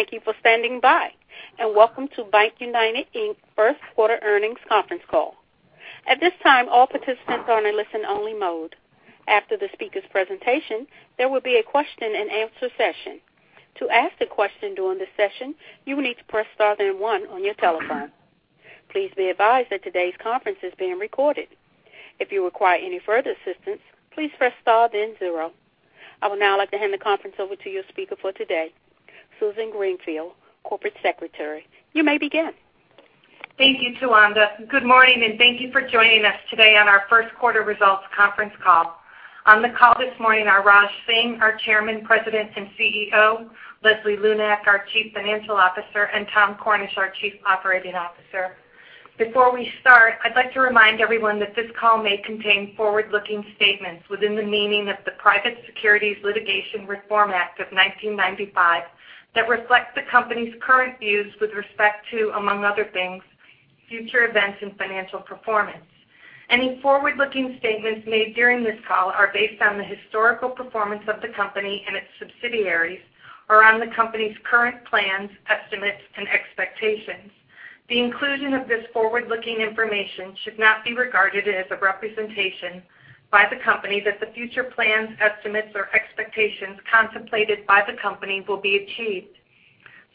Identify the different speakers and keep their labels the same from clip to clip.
Speaker 1: Thank you for standing by, and welcome to BankUnited, Inc.'s first quarter earnings conference call. At this time, all participants are in listen only mode. After the speaker's presentation, there will be a question and answer session. To ask a question during the session, you will need to press star then one on your telephone. Please be advised that today's conference is being recorded. If you require any further assistance, please press star then zero. I would now like to hand the conference over to your speaker for today, Susan Greenfield, Corporate Secretary. You may begin.
Speaker 2: Thank you, Tawanda. Good morning, thank you for joining us today on our first quarter results conference call. On the call this morning are Raj Singh, our Chairman, President, and CEO, Leslie Lunak, our Chief Financial Officer, and Tom Cornish, our Chief Operating Officer. Before we start, I'd like to remind everyone that this call may contain forward-looking statements within the meaning of the Private Securities Litigation Reform Act of 1995 that reflect the company's current views with respect to, among other things, future events and financial performance. Any forward-looking statements made during this call are based on the historical performance of the company and its subsidiaries, or on the company's current plans, estimates, and expectations. The inclusion of this forward-looking information should not be regarded as a representation by the company that the future plans, estimates, or expectations contemplated by the company will be achieved.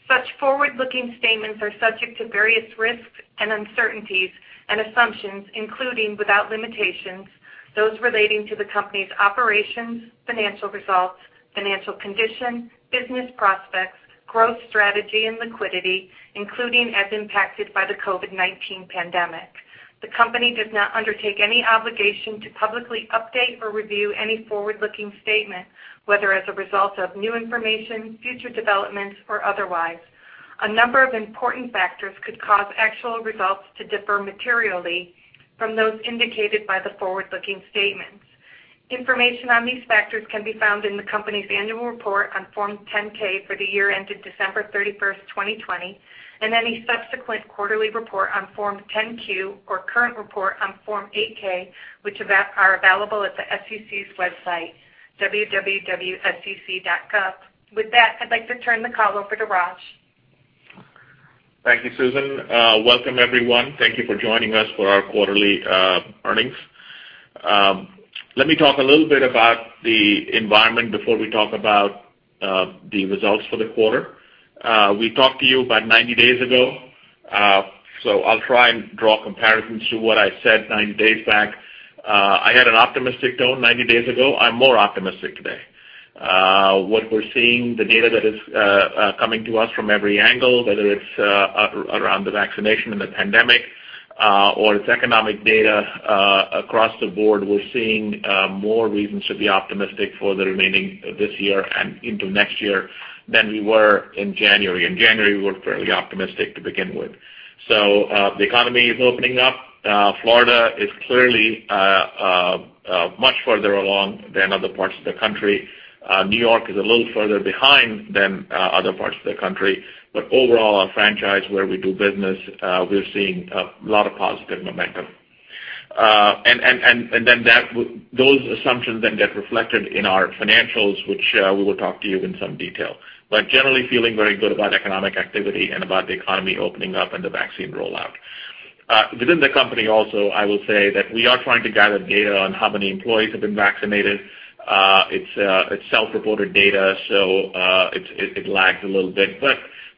Speaker 2: Such forward-looking statements are subject to various risks and uncertainties and assumptions, including, without limitations, those relating to the company's operations, financial results, financial condition, business prospects, growth strategy and liquidity, including as impacted by the COVID-19 pandemic. The company does not undertake any obligation to publicly update or review any forward-looking statement, whether as a result of new information, future developments, or otherwise. A number of important factors could cause actual results to differ materially from those indicated by the forward-looking statements. Information on these factors can be found in the company's annual report on Form 10-K for the year ended December 31st, 2020, and any subsequent quarterly report on Form 10-Q or current report on Form 8-K, which are available at the SEC's website, www.sec.gov. With that, I'd like to turn the call over to Raj.
Speaker 3: Thank you, Susan. Welcome everyone. Thank you for joining us for our quarterly earnings. Let me talk a little bit about the environment before we talk about the results for the quarter. We talked to you about 90 days ago, so I'll try and draw comparisons to what I said 90 days back. I had an optimistic tone 90 days ago. I'm more optimistic today. What we're seeing, the data that is coming to us from every angle, whether it's around the vaccination and the pandemic, or it's economic data across the board, we're seeing more reasons to be optimistic for the remaining of this year and into next year than we were in January. In January, we were fairly optimistic to begin with. The economy is opening up. Florida is clearly much further along than other parts of the country. New York is a little further behind than other parts of the country. Overall, our franchise where we do business, we're seeing a lot of positive momentum. Those assumptions then get reflected in our financials, which we will talk to you in some detail. Generally feeling very good about economic activity and about the economy opening up and the vaccine rollout. Within the company also, I will say that we are trying to gather data on how many employees have been vaccinated. It's self-reported data, so it lags a little bit.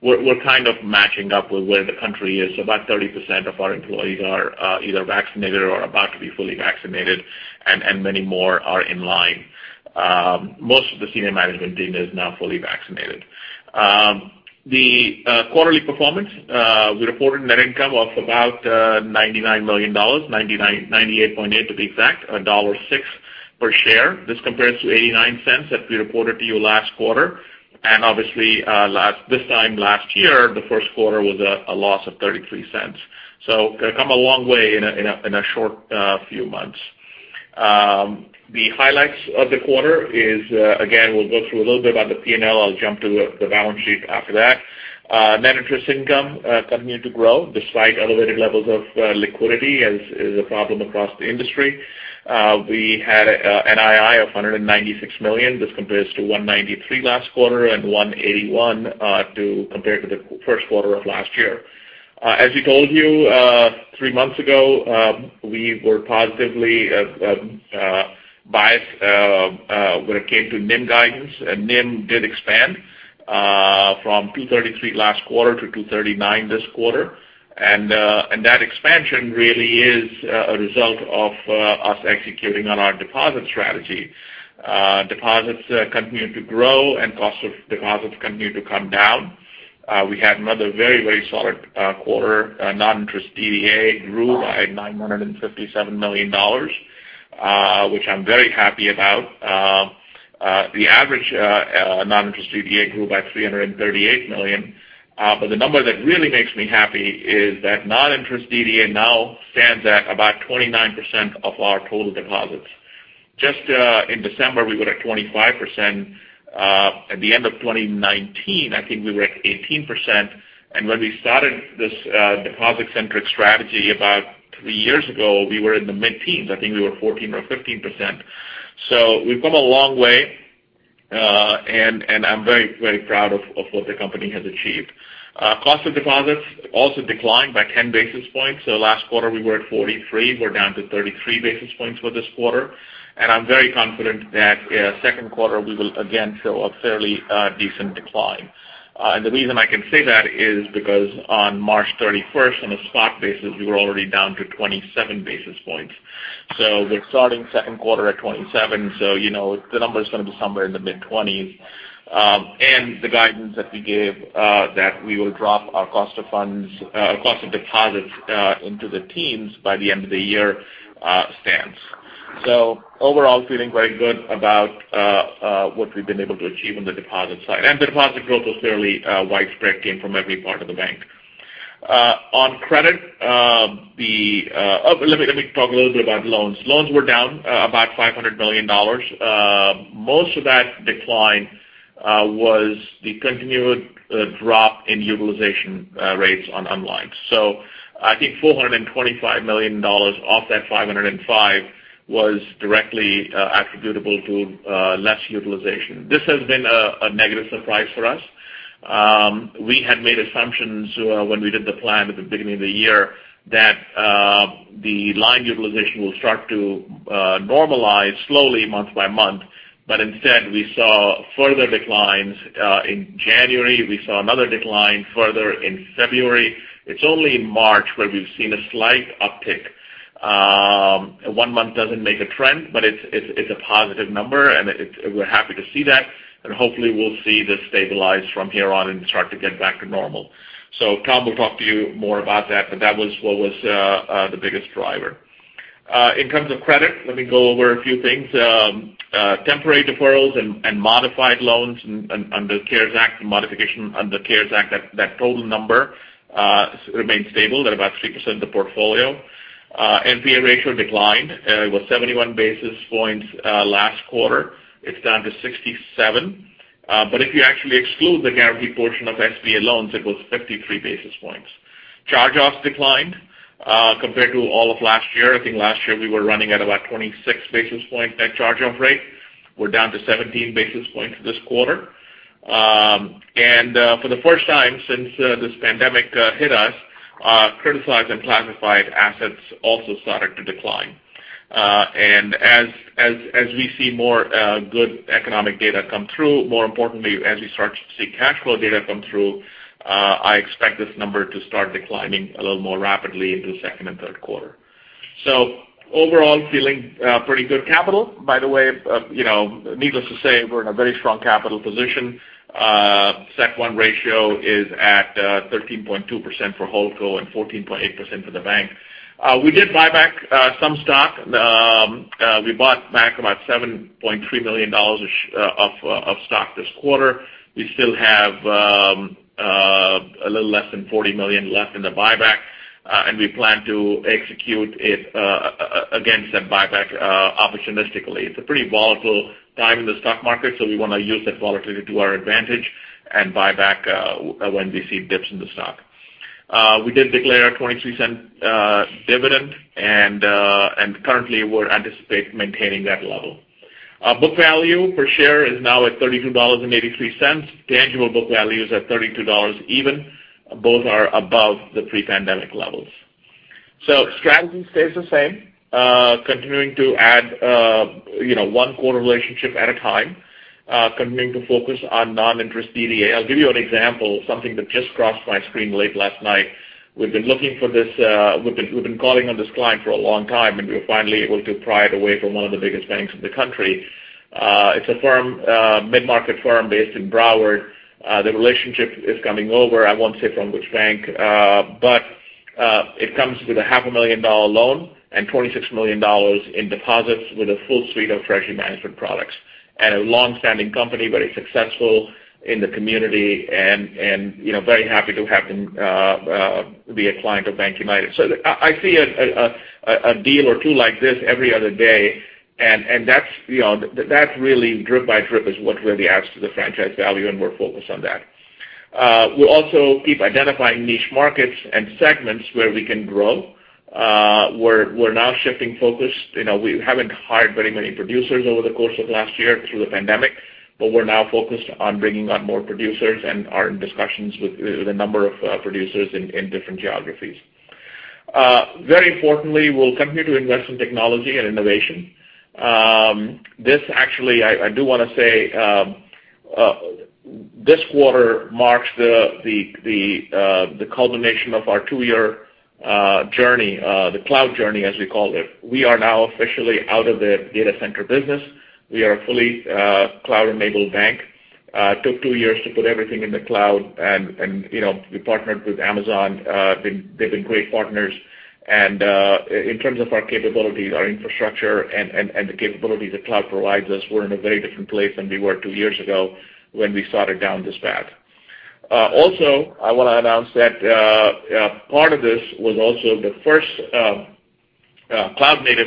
Speaker 3: We're kind of matching up with where the country is. About 30% of our employees are either vaccinated or about to be fully vaccinated, and many more are in line. Most of the senior management team is now fully vaccinated. The quarterly performance, we reported net income of about $99 million, $98.8 to be exact, $1.06 per share. This compares to $0.89 that we reported to you last quarter. Obviously, this time last year, the first quarter was a loss of $0.33. We've come a long way in a short few months. The highlights of the quarter is, again, we'll go through a little bit about the P&L. I'll jump to the balance sheet after that. Net interest income continued to grow despite elevated levels of liquidity as a problem across the industry. We had NII of $196 million. This compares to $193 million last quarter and $181 million compared to the first quarter of last year. As we told you three months ago, we were positively biased when it came to NIM guidance, and NIM did expand from 233 last quarter to 239 this quarter. That expansion really is a result of us executing on our deposit strategy. Deposits continued to grow and cost of deposits continued to come down. We had another very solid quarter. Non-interest DDA grew by $957 million, which I'm very happy about. The average non-interest DDA grew by $338 million. The number that really makes me happy is that non-interest DDA now stands at about 29% of our total deposits. Just in December, we were at 25%. At the end of 2019, I think we were at 18%. When we started this deposit-centric strategy about three years ago, we were in the mid-teens. I think we were 14% or 15%. We've come a long way, and I'm very proud of what the company has achieved. Cost of deposits also declined by 10 basis points. Last quarter we were at 43. We're down to 33 basis points for this quarter, and I'm very confident that second quarter we will again show a fairly decent decline. The reason I can say that is because on March 31st, on a spot basis, we were already down to 27 basis points. We're starting second quarter at 27, so the number is going to be somewhere in the mid-20s. The guidance that we gave that we will drop our cost of deposits into the teens by the end of the year stands. Overall, we are feeling very good about what we've been able to achieve on the deposit side. The deposit growth was fairly widespread, came from every part of the bank. On credit. Let me talk a little bit about loans. Loans were down about $500 million. Most of that decline was the continued drop in utilization rates on lines. I think $425 million off that $505 million was directly attributable to less utilization. This has been a negative surprise for us. We had made assumptions when we did the plan at the beginning of the year that the line utilization will start to normalize slowly month by month. Instead, we saw further declines in January. We saw another decline further in February. It's only in March where we've seen a slight uptick. One month doesn't make a trend, but it's a positive number and we're happy to see that, and hopefully we'll see this stabilize from here on and start to get back to normal. Tom will talk to you more about that, but that was what was the biggest driver. In terms of credit, let me go over a few things. Temporary deferrals and modified loans under the CARES Act, the modification under the CARES Act, that total number remains stable at about 3% of the portfolio. NPA ratio declined. It was 71 basis points last quarter. It's down to 67. If you actually exclude the guaranteed portion of SBA loans, it was 53 basis points. Charge-offs declined compared to all of last year. I think last year we were running at about 26 basis points net charge-off rate. We're down to 17 basis points this quarter. For the first time since this pandemic hit us, criticized and classified assets also started to decline. As we see more good economic data come through, more importantly, as we start to see cash flow data come through, I expect this number to start declining a little more rapidly into second and third quarter. Overall, feeling pretty good. Capital, by the way, needless to say, we're in a very strong capital position. CET1 ratio is at 13.2% for HoldCo and 14.8% for the bank. We did buy back some stock. We bought back about $7.3 million of stock this quarter. We still have a little less than $40 million left in the buyback, and we plan to execute against that buyback opportunistically. It's a pretty volatile time in the stock market, so we want to use that volatility to our advantage and buy back when we see dips in the stock. We did declare a $0.23 dividend, and currently we're anticipating maintaining that level. Book value per share is now at $32.83. Tangible book value is at $32 even. Both are above the pre-pandemic levels. Strategy stays the same. Continuing to add one quarter relationship at a time, continuing to focus on non-interest DDA. I'll give you an example, something that just crossed my screen late last night. We've been calling on this client for a long time, and we were finally able to pry it away from one of the biggest banks in the country. It's a mid-market firm based in Broward. The relationship is coming over, I won't say from which bank. It comes with $500,000 loan and $26 million in deposits with a full suite of treasury management products. A long-standing company, very successful in the community, and very happy to have them be a client of BankUnited. I see a deal or two like this every other day, and that really drip by drip is what really adds to the franchise value, and we're focused on that. We'll also keep identifying niche markets and segments where we can grow. We're now shifting focus. We haven't hired very many producers over the course of last year through the pandemic, but we're now focused on bringing on more producers and are in discussions with a number of producers in different geographies. Very importantly, we'll continue to invest in technology and innovation. This actually, I do want to say, this quarter marks the culmination of our two-year journey, the cloud journey, as we call it. We are now officially out of the data center business. We are a fully cloud-enabled bank. Took two years to put everything in the cloud, and we partnered with Amazon. They've been great partners. In terms of our capabilities, our infrastructure, and the capabilities that cloud provides us, we're in a very different place than we were two years ago when we started down this path. I want to announce that part of this was also the first cloud-native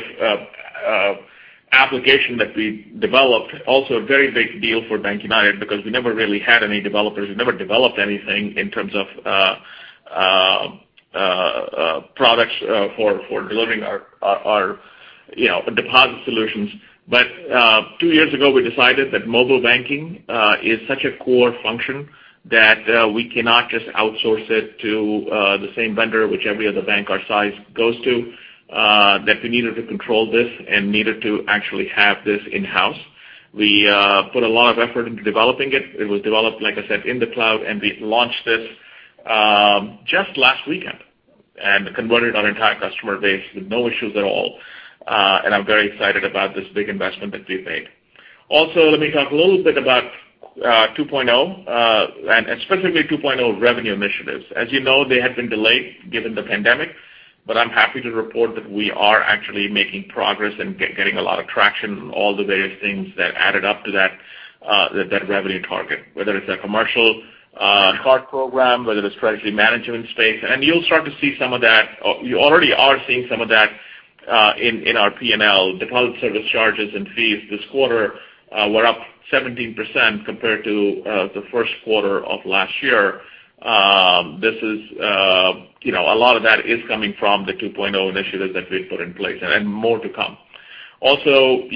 Speaker 3: application that we developed. A very big deal for BankUnited because we never really had any developers. We never developed anything in terms of products for delivering our deposit solutions. Two years ago, we decided that mobile banking is such a core function that we cannot just outsource it to the same vendor which every other bank our size goes to, that we needed to control this and needed to actually have this in-house. We put a lot of effort into developing it. It was developed, like I said, in the cloud, we launched this just last weekend. Converted our entire customer base with no issues at all. I'm very excited about this big investment that we've made. Let me talk a little bit about 2.0, and specifically 2.0 revenue initiatives. As you know, they have been delayed given the pandemic. I'm happy to report that we are actually making progress and getting a lot of traction on all the various things that added up to that revenue target, whether it's a commercial card program, whether it's treasury management space. You'll start to see some of that. You already are seeing some of that in our P&L. Deposit service charges and fees this quarter were up 17% compared to the first quarter of last year. A lot of that is coming from the 2.0 initiatives that we've put in place, and more to come. The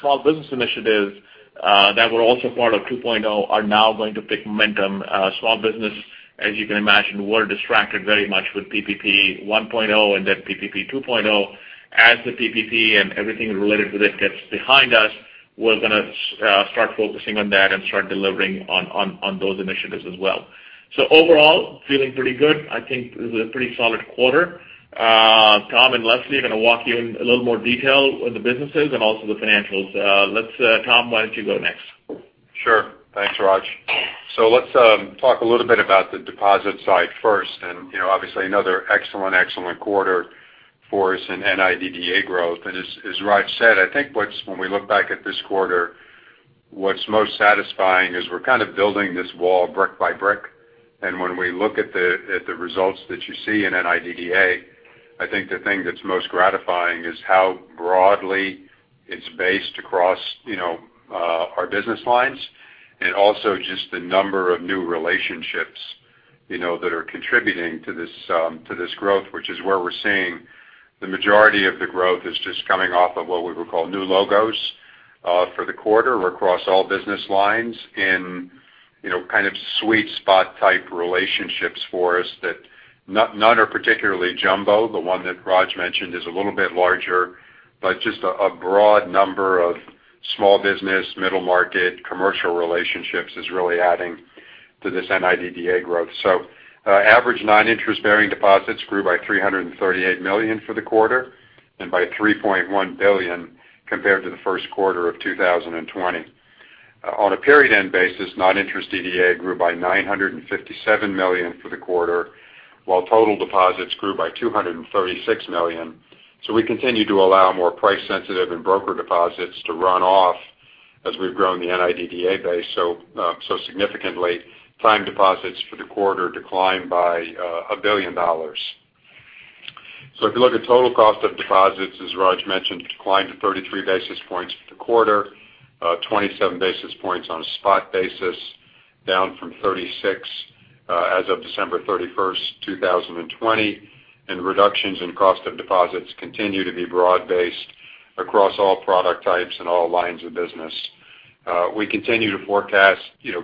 Speaker 3: small business initiatives that were also part of 2.0 are now going to pick momentum. Small business, as you can imagine, we're distracted very much with PPP 1.0 and then PPP 2.0. As the PPP and everything related to this gets behind us, we're going to start focusing on that and start delivering on those initiatives as well. Overall, feeling pretty good. I think this is a pretty solid quarter. Tom and Leslie are going to walk you in a little more detail on the businesses and also the financials. Tom, why don't you go next?
Speaker 4: Sure. Thanks, Raj. Let's talk a little bit about the deposit side first. Obviously, another excellent quarter for us in NIDDA growth. As Raj said, I think when we look back at this quarter, what's most satisfying is we're kind of building this wall brick by brick. When we look at the results that you see in NIDDA, I think the thing that's most gratifying is how broadly it's based across our business lines and also just the number of new relationships that are contributing to this growth, which is where we're seeing the majority of the growth is just coming off of what we would call new logos for the quarter or across all business lines in kind of sweet spot type relationships for us that none are particularly jumbo. The one that Raj mentioned is a little bit larger, but just a broad number of small business, middle market, commercial relationships is really adding to this NIDDA growth. Average non-interest bearing deposits grew by $338 million for the quarter and by $3.1 billion compared to the first quarter of 2020. On a period end basis, non-interest DDA grew by $957 million for the quarter, while total deposits grew by $236 million. We continue to allow more price sensitive and broker deposits to run off as we've grown the NIDDA base so significantly. Time deposits for the quarter declined by $1 billion. If you look at total cost of deposits, as Raj mentioned, it declined to 33 basis points for the quarter, 27 basis points on a spot basis, down from 36 as of December 31st, 2020. Reductions in cost of deposits continue to be broad based across all product types and all lines of business. We continue to forecast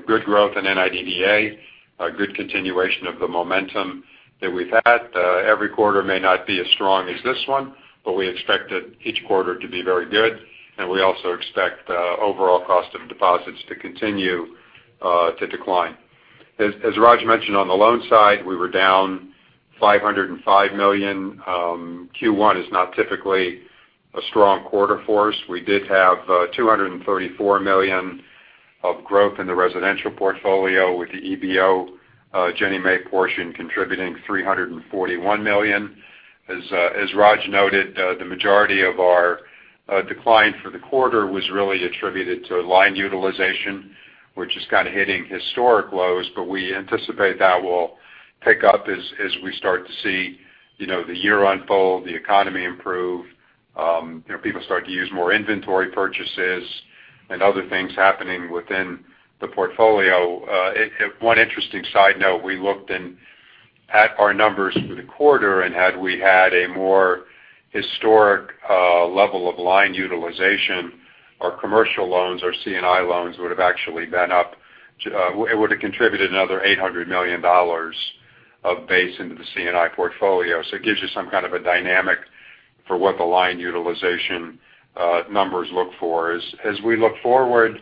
Speaker 4: good growth in NIDDA, a good continuation of the momentum that we've had. Every quarter may not be as strong as this one, but we expect each quarter to be very good, and we also expect overall cost of deposits to continue to decline. As Raj mentioned, on the loan side, we were down $505 million. Q1 is not typically a strong quarter for us. We did have $234 million of growth in the residential portfolio with the EBO Ginnie Mae portion contributing $341 million. As Raj noted, the majority of our decline for the quarter was really attributed to line utilization, which is kind of hitting historic lows, but we anticipate that will pick up as we start to see the year unfold, the economy improve, people start to use more inventory purchases and other things happening within the portfolio. One interesting side note, we looked at our numbers for the quarter, and had we had a more historic level of line utilization, our commercial loans, our C&I loans, it would have contributed another $800 million of base into the C&I portfolio. It gives you some kind of a dynamic for what the line utilization numbers look for. As we look forward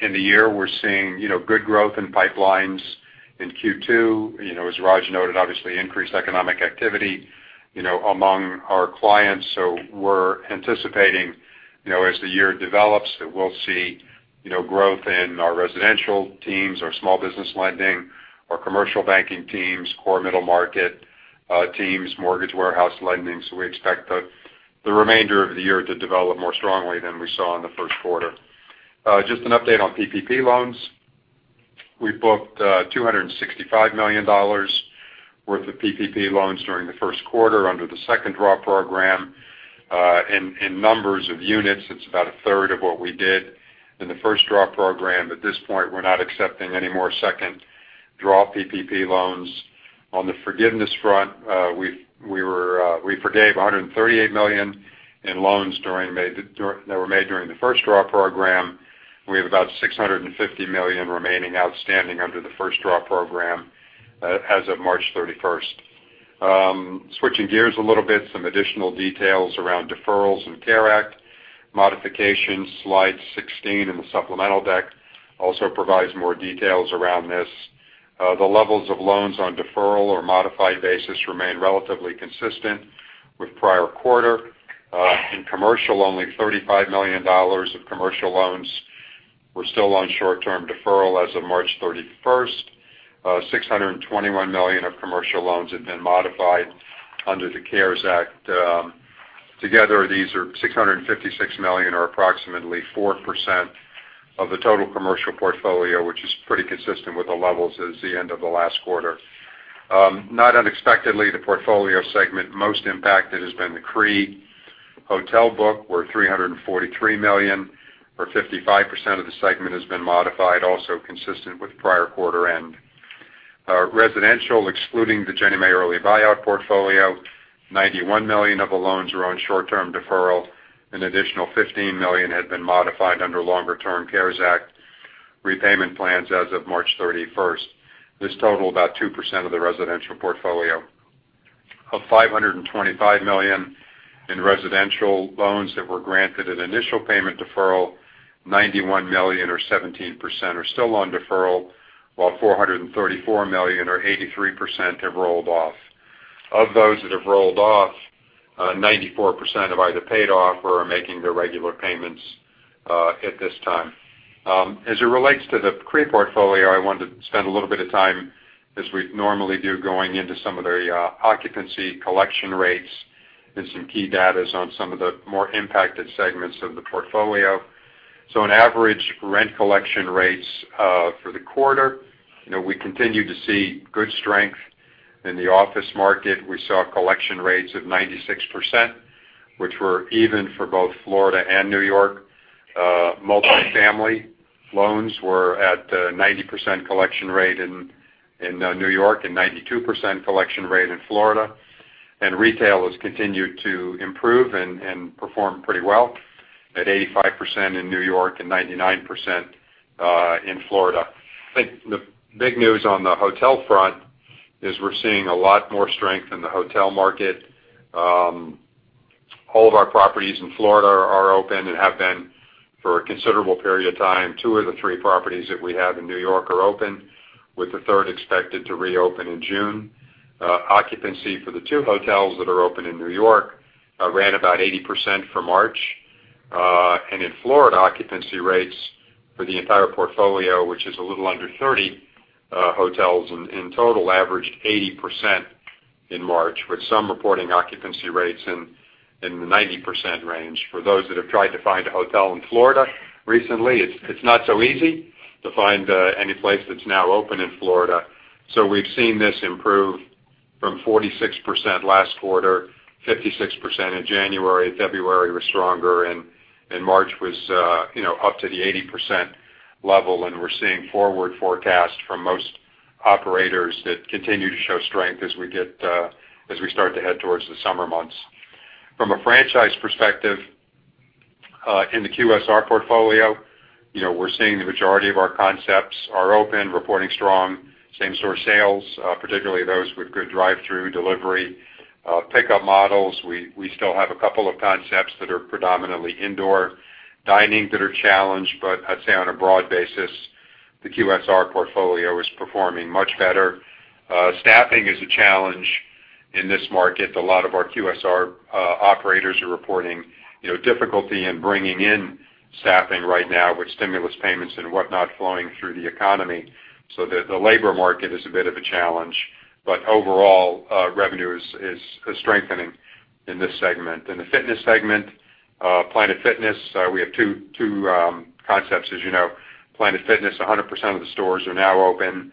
Speaker 4: in the year, we're seeing good growth in pipelines in Q2. As Raj noted, obviously increased economic activity among our clients. We're anticipating, as the year develops, that we'll see growth in our residential teams, our small business lending, our commercial banking teams, core middle market teams, mortgage warehouse lending. We expect the remainder of the year to develop more strongly than we saw in the first quarter. Just an update on PPP loans. We booked $265 million worth of PPP loans during the first quarter under the second draw program. In numbers of units, it's about a third of what we did in the first draw program. At this point, we're not accepting any more second draw PPP loans. On the forgiveness front, we forgave $138 million in loans that were made during the first draw program. We have about $650 million remaining outstanding under the first draw program as of March 31st. Switching gears a little bit, some additional details around deferrals and CARES Act modifications. Slide 16 in the supplemental deck also provides more details around this. The levels of loans on deferral or modified basis remain relatively consistent with prior quarter. In commercial, only $35 million of commercial loans were still on short-term deferral as of March 31st. $621 million of commercial loans had been modified under the CARES Act. Together, these are $656 million, or approximately 4%, of the total commercial portfolio, which is pretty consistent with the levels as the end of the last quarter. Not unexpectedly, the portfolio segment most impacted has been the CRE hotel book, where $343 million or 55% of the segment has been modified, also consistent with prior quarter end. Residential, excluding the Ginnie Mae early buyout portfolio, $91 million of the loans are on short-term deferral. An additional $15 million had been modified under longer-term CARES Act repayment plans as of March 31st. This totaled about 2% of the residential portfolio. Of $525 million in residential loans that were granted an initial payment deferral, $91 million or 17% are still on deferral, while $434 million or 83% have rolled off. Of those that have rolled off, 94% have either paid off or are making their regular payments at this time. As it relates to the CRE portfolio, I wanted to spend a little bit of time, as we normally do, going into some of the occupancy collection rates and some key data on some of the more impacted segments of the portfolio. On average rent collection rates for the quarter, we continue to see good strength in the office market. We saw collection rates of 96%, which were even for both Florida and New York. Multifamily loans were at 90% collection rate in New York and 92% collection rate in Florida. Retail has continued to improve and perform pretty well at 85% in New York and 99% in Florida. I think the big news on the hotel front is we're seeing a lot more strength in the hotel market. All of our properties in Florida are open and have been for a considerable period of time. Two of the three properties that we have in New York are open, with the third expected to reopen in June. Occupancy for the two hotels that are open in New York ran about 80% for March. In Florida, occupancy rates for the entire portfolio, which is a little under 30 hotels in total, averaged 80% in March, with some reporting occupancy rates in the 90% range. For those that have tried to find a hotel in Florida recently, it's not so easy to find any place that's now open in Florida. We've seen this improve from 46% last quarter, 56% in January. February was stronger, March was up to the 80% level. We're seeing forward forecasts from most operators that continue to show strength as we start to head towards the summer months. From a franchise perspective, in the QSR portfolio, we're seeing the majority of our concepts are open, reporting strong same-store sales, particularly those with good drive-thru delivery pickup models. We still have a couple of concepts that are predominantly indoor dining that are challenged, but I'd say on a broad basis, the QSR portfolio is performing much better. Staffing is a challenge in this market. A lot of our QSR operators are reporting difficulty in bringing in staffing right now with stimulus payments and whatnot flowing through the economy. The labor market is a bit of a challenge. Overall, revenue is strengthening in this segment. In the fitness segment, Planet Fitness, we have two concepts as you know. Planet Fitness, 100% of the stores are now open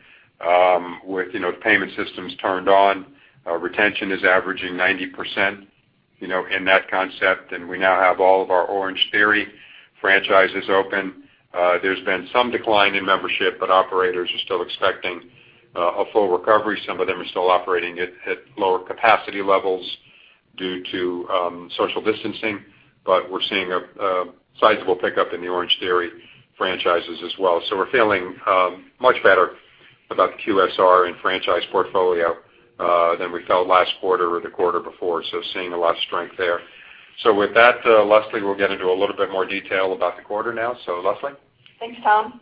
Speaker 4: with the payment systems turned on. Retention is averaging 90% in that concept. We now have all of our Orangetheory franchises open. There's been some decline in membership. Operators are still expecting a full recovery. Some of them are still operating at lower capacity levels due to social distancing. We're seeing a sizable pickup in the Orangetheory franchises as well. We're feeling much better about the QSR and franchise portfolio than we felt last quarter or the quarter before. Seeing a lot of strength there. With that, Leslie will get into a little bit more detail about the quarter now. Leslie?
Speaker 5: Thanks, Tom.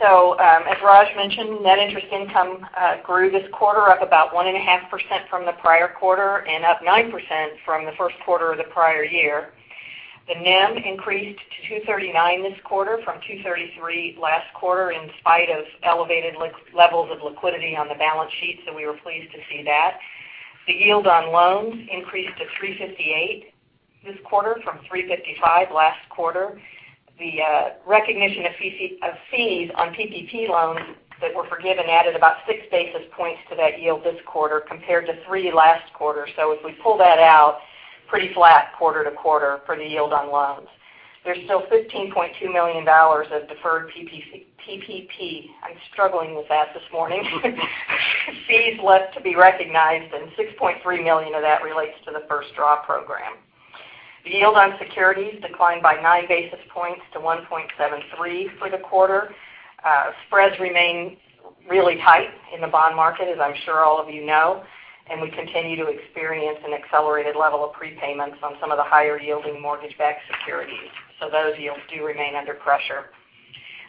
Speaker 5: As Raj mentioned, net interest income grew this quarter up about 1.5% from the prior quarter and up 9% from the first quarter of the prior year. The NIM increased to 239 this quarter from 233 last quarter in spite of elevated levels of liquidity on the balance sheet. We were pleased to see that. The yield on loans increased to 358 this quarter from 355 last quarter. The recognition of fees on PPP loans that were forgiven added about six basis points to that yield this quarter compared to three last quarter. If we pull that out, pretty flat quarter-to-quarter for the yield on loans. There's still $15.2 million of deferred PPP, I'm struggling with that this morning, fees left to be recognized, and $6.3 million of that relates to the first draw program. The yield on securities declined by nine basis points to 1.73 for the quarter. Spreads remain really tight in the bond market, as I'm sure all of you know, and we continue to experience an accelerated level of prepayments on some of the higher yielding mortgage-backed securities. Those yields do remain under pressure.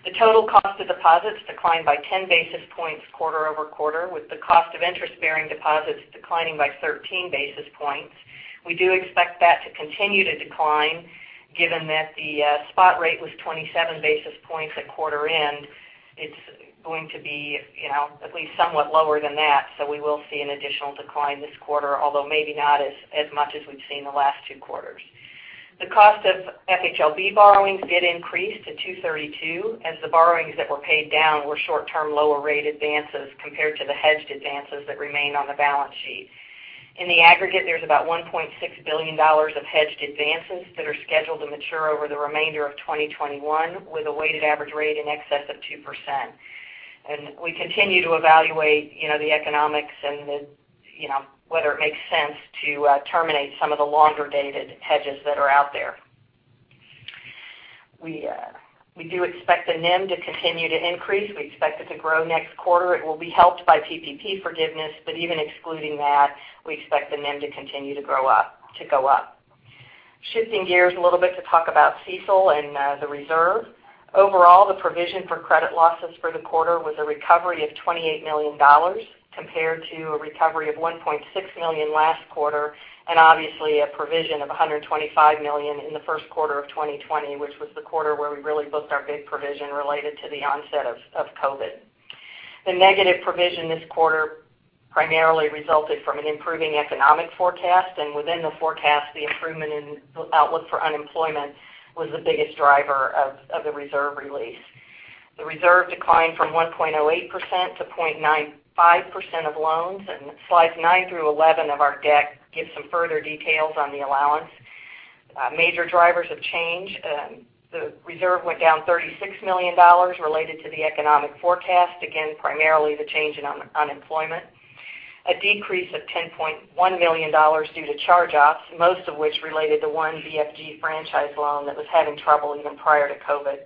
Speaker 5: The total cost of deposits declined by 10 basis points quarter-over-quarter, with the cost of interest-bearing deposits declining by 13 basis points. We do expect that to continue to decline given that the spot rate was 27 basis points at quarter end. It's going to be at least somewhat lower than that. We will see an additional decline this quarter, although maybe not as much as we've seen the last two quarters. The cost of FHLB borrowings did increase to 232, as the borrowings that were paid down were short-term lower rate advances compared to the hedged advances that remain on the balance sheet. In the aggregate, there's about $1.6 billion of hedged advances that are scheduled to mature over the remainder of 2021, with a weighted average rate in excess of 2%. We continue to evaluate the economics and whether it makes sense to terminate some of the longer-dated hedges that are out there. We do expect the NIM to continue to increase. We expect it to grow next quarter. It will be helped by PPP forgiveness, but even excluding that, we expect the NIM to continue to go up. Shifting gears a little bit to talk about CECL and the reserve. Overall, the provision for credit losses for the quarter was a recovery of $28 million, compared to a recovery of $1.6 million last quarter. Obviously, a provision of $125 million in the first quarter of 2020, which was the quarter where we really booked our big provision related to the onset of COVID. The negative provision this quarter primarily resulted from an improving economic forecast. Within the forecast, the improvement in the outlook for unemployment was the biggest driver of the reserve release. The reserve declined from 1.08% to 0.95% of loans. Slides nine through 11 of our deck give some further details on the allowance. Major drivers of change. The reserve went down $36 million related to the economic forecast, again, primarily the change in unemployment. A decrease of $10.1 million due to charge-offs, most of which related to one BFG franchise loan that was having trouble even prior to COVID-19.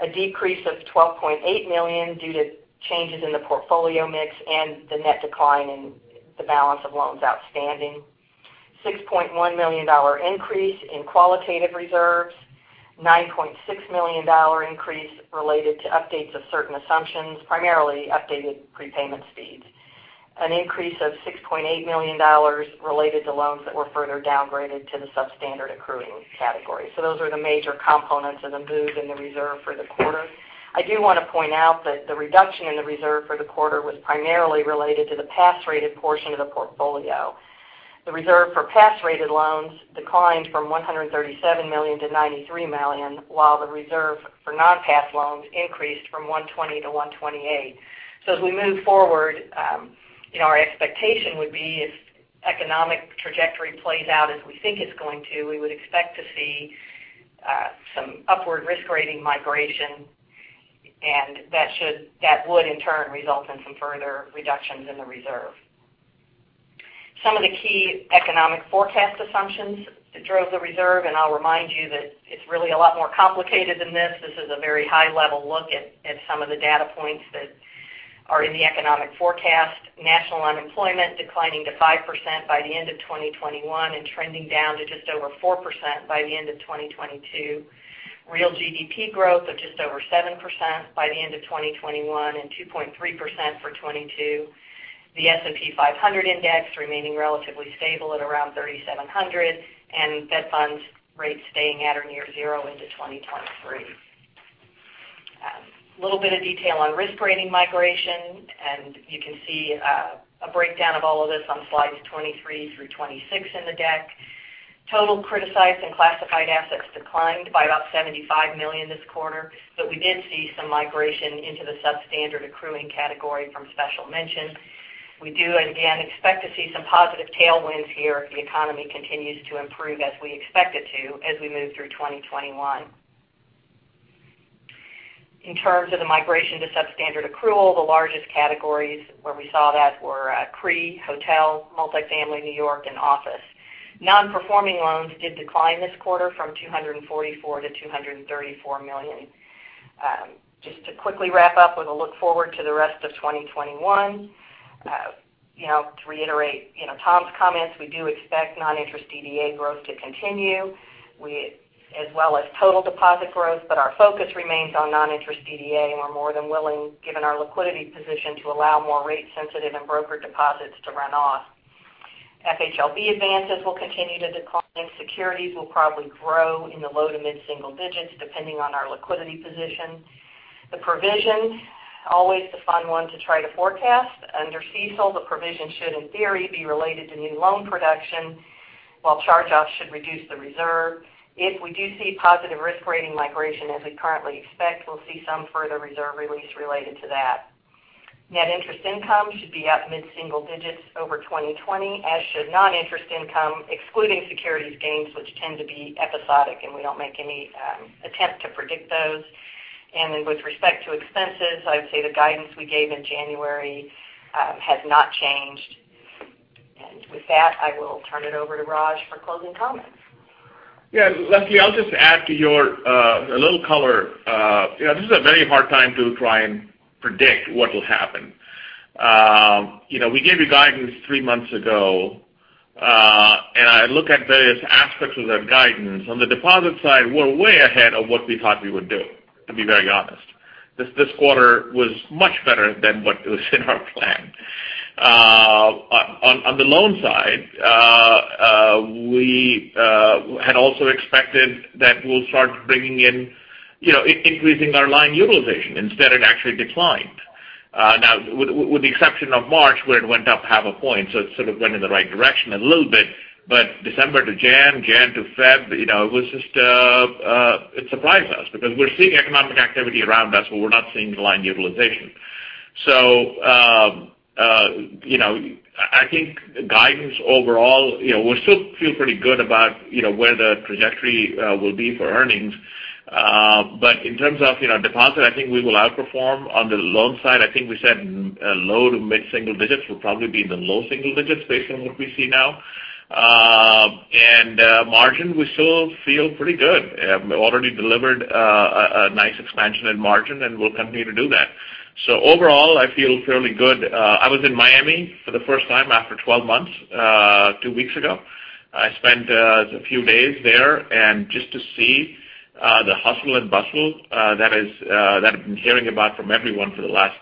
Speaker 5: A decrease of $12.8 million due to changes in the portfolio mix and the net decline in the balance of loans outstanding. $6.1 million increase in qualitative reserves. $9.6 million increase related to updates of certain assumptions, primarily updated prepayment speeds. An increase of $6.8 million related to loans that were further downgraded to the substandard accruing category. Those are the major components of the move in the reserve for the quarter. I do want to point out that the reduction in the reserve for the quarter was primarily related to the pass-rated portion of the portfolio. The reserve for pass-rated loans declined from $137 million to $93 million, while the reserve for non-pass loans increased from $120 to $128. As we move forward, our expectation would be if economic trajectory plays out as we think it's going to, we would expect to see some upward risk rating migration, and that would in turn result in some further reductions in the reserve. Some of the key economic forecast assumptions that drove the reserve, and I'll remind you that it's really a lot more complicated than this. This is a very high-level look at some of the data points that are in the economic forecast. National unemployment declining to 5% by the end of 2021 and trending down to just over 4% by the end of 2022. Real GDP growth of just over 7% by the end of 2021 and 2.3% for 2022. The S&P 500 index remaining relatively stable at around 3,700, and Fed Funds rates staying at or near zero into 2023. A little bit of detail on risk rating migration. You can see a breakdown of all of this on slides 23 through 26 in the deck. Total criticized and classified assets declined by about $75 million this quarter, but we did see some migration into the substandard accruing category from special mention. We do, again, expect to see some positive tailwinds here if the economy continues to improve as we expect it to as we move through 2021. In terms of the migration to substandard accrual, the largest categories where we saw that were CRE, hotel, multifamily, New York, and office. Non-performing loans did decline this quarter from $244 million to $234 million. Just to quickly wrap up with a look forward to the rest of 2021. To reiterate Tom's comments, we do expect non-interest DDA growth to continue, as well as total deposit growth, but our focus remains on non-interest DDA, and we're more than willing, given our liquidity position, to allow more rate-sensitive and broker deposits to run off. FHLB advances will continue to decline. Securities will probably grow in the low to mid-single digits, depending on our liquidity position. The provision, always the fun one to try to forecast. Under CECL, the provision should, in theory, be related to new loan production, while charge-offs should reduce the reserve. If we do see positive risk rating migration as we currently expect, we'll see some further reserve release related to that. Net interest income should be up mid-single digits over 2020, as should non-interest income, excluding securities gains, which tend to be episodic, and we don't make any attempt to predict those. With respect to expenses, I would say the guidance we gave in January has not changed. With that, I will turn it over to Raj for closing comments.
Speaker 3: Yeah, Leslie, I'll just add a little color. This is a very hard time to try and predict what will happen. We gave you guidance three months ago, and I look at various aspects of that guidance. On the deposit side, we're way ahead of what we thought we would do, to be very honest. This quarter was much better than what was in our plan. On the loan side, we had also expected that we'll start increasing our line utilization. Instead, it actually declined. Now, with the exception of March, where it went up half a point, so it sort of went in the right direction a little bit, but December to January to February, it surprised us because we're seeing economic activity around us, but we're not seeing the line utilization. I think guidance overall, we still feel pretty good about where the trajectory will be for earnings. In terms of deposit, I think we will outperform. On the loan side, I think we said low to mid-single digits. We'll probably be in the low single digits based on what we see now. Margin, we still feel pretty good. Already delivered a nice expansion in margin, and we'll continue to do that. Overall, I feel fairly good. I was in Miami for the first time after 12 months, two weeks ago. I spent a few days there. Just to see the hustle and bustle that I've been hearing about from everyone for the last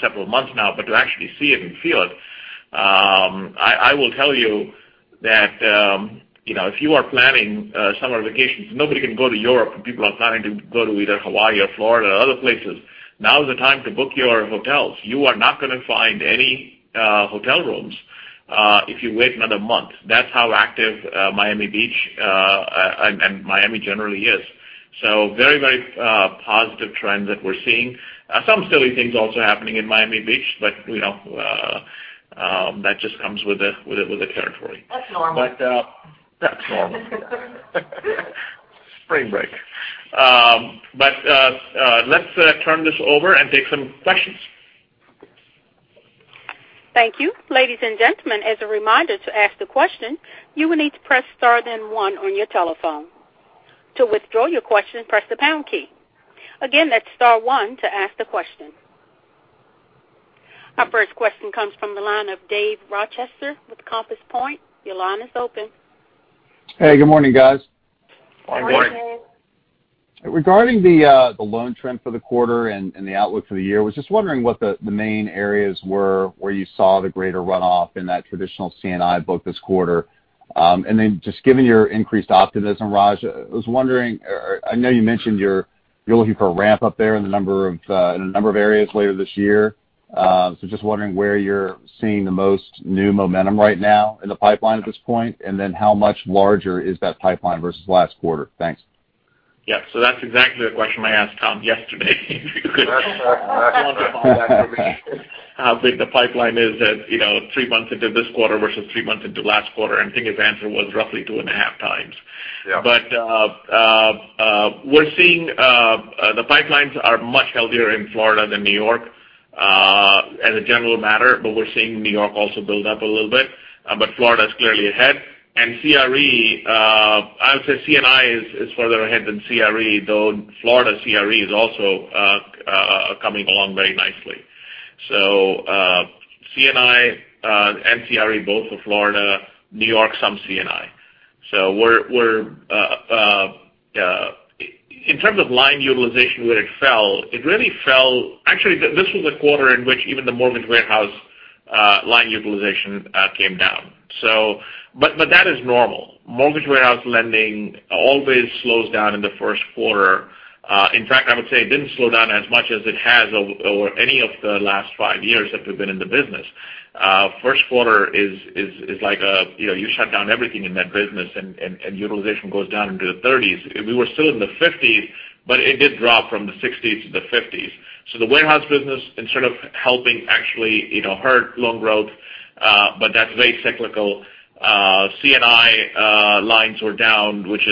Speaker 3: several months now, but to actually see it and feel it, I will tell you that if you are planning summer vacations, nobody can go to Europe, and people are planning to go to either Hawaii or Florida or other places. Now is the time to book your hotels. You are not going to find any hotel rooms if you wait another month. That's how active Miami Beach and Miami generally is. Very positive trend that we're seeing. Some silly things also happening in Miami Beach, but that just comes with the territory.
Speaker 5: That's normal.
Speaker 3: That's normal. Spring break. Let's turn this over and take some questions.
Speaker 1: Thank you. Ladies and gentlemen, as a reminder, to ask the question, you will need to press star then one on your telephone. To withdraw your question, press the pound key. Again, that's star one to ask the question. Our first question comes from the line of Dave Rochester with Compass Point. Your line is open.
Speaker 6: Hey, good morning, guys.
Speaker 3: Good morning.
Speaker 5: Morning.
Speaker 6: Regarding the loan trend for the quarter and the outlook for the year, I was just wondering what the main areas were where you saw the greater runoff in that traditional C&I book this quarter. Just given your increased optimism, Raj, I know you mentioned you're looking for a ramp-up there in a number of areas later this year. Just wondering where you're seeing the most new momentum right now in the pipeline at this point, how much larger is that pipeline versus last quarter? Thanks.
Speaker 3: Yeah. That's exactly the question I asked Tom yesterday. How big the pipeline is at three months into this quarter versus three months into last quarter, and I think his answer was roughly two and a half times.
Speaker 6: Yeah.
Speaker 3: We're seeing the pipelines are much healthier in Florida than New York as a general matter, but we're seeing New York also build up a little bit. Florida's clearly ahead. CRE, I would say C&I is further ahead than CRE, though Florida CRE is also coming along very nicely. C&I and CRE both for Florida, New York some C&I. In terms of line utilization where it fell, actually, this was a quarter in which even the mortgage warehouse line utilization came down. That is normal. Mortgage warehouse lending always slows down in the first quarter. In fact, I would say it didn't slow down as much as it has over any of the last five years that we've been in the business. First quarter is like you shut down everything in that business, utilization goes down into the 30s. We were still in the 50s, but it did drop from the 60s to the 50s. The warehouse business instead of helping actually hurt loan growth, but that's very cyclical. C&I lines were down, which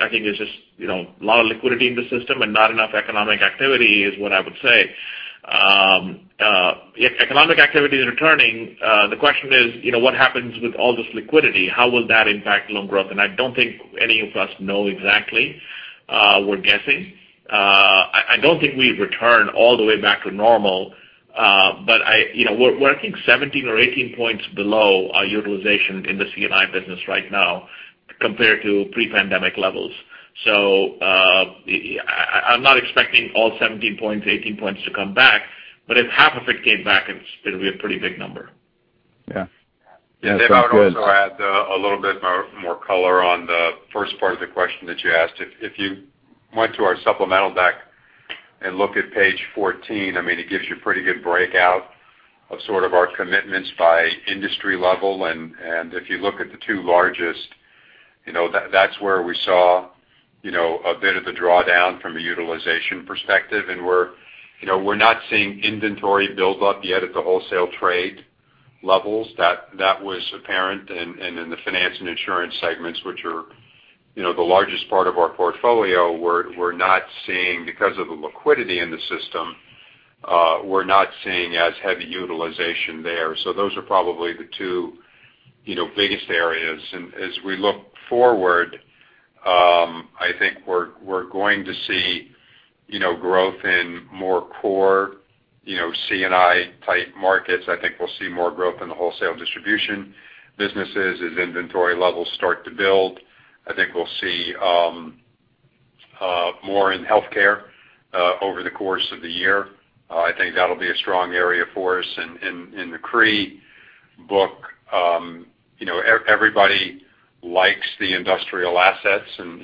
Speaker 3: I think is just a lot of liquidity in the system and not enough economic activity is what I would say. Economic activity is returning. The question is what happens with all this liquidity? How will that impact loan growth? I don't think any of us know exactly. We're guessing. I don't think we've returned all the way back to normal. We're, I think, 17 or 18 points below our utilization in the C&I business right now compared to pre-pandemic levels. I'm not expecting all 17 points, 18 points to come back, but if half of it came back, it'd be a pretty big number.
Speaker 4: I would also add a little bit more color on the first part of the question that you asked. If you went to our supplemental deck and look at page 14, it gives you pretty good breakout of sort of our commitments by industry level. If you look at the two largest, that's where we saw a bit of the drawdown from a utilization perspective. We're not seeing inventory build up yet at the wholesale trade levels. That was apparent. In the finance and insurance segments, which are the largest part of our portfolio, we're not seeing, because of the liquidity in the system, we're not seeing as heavy utilization there. Those are probably the two biggest areas. As we look forward, I think we're going to see growth in more core C&I type markets. I think we'll see more growth in the wholesale distribution businesses as inventory levels start to build. I think we'll see more in healthcare, over the course of the year. I think that'll be a strong area for us. In the CRE book, everybody likes the industrial assets, and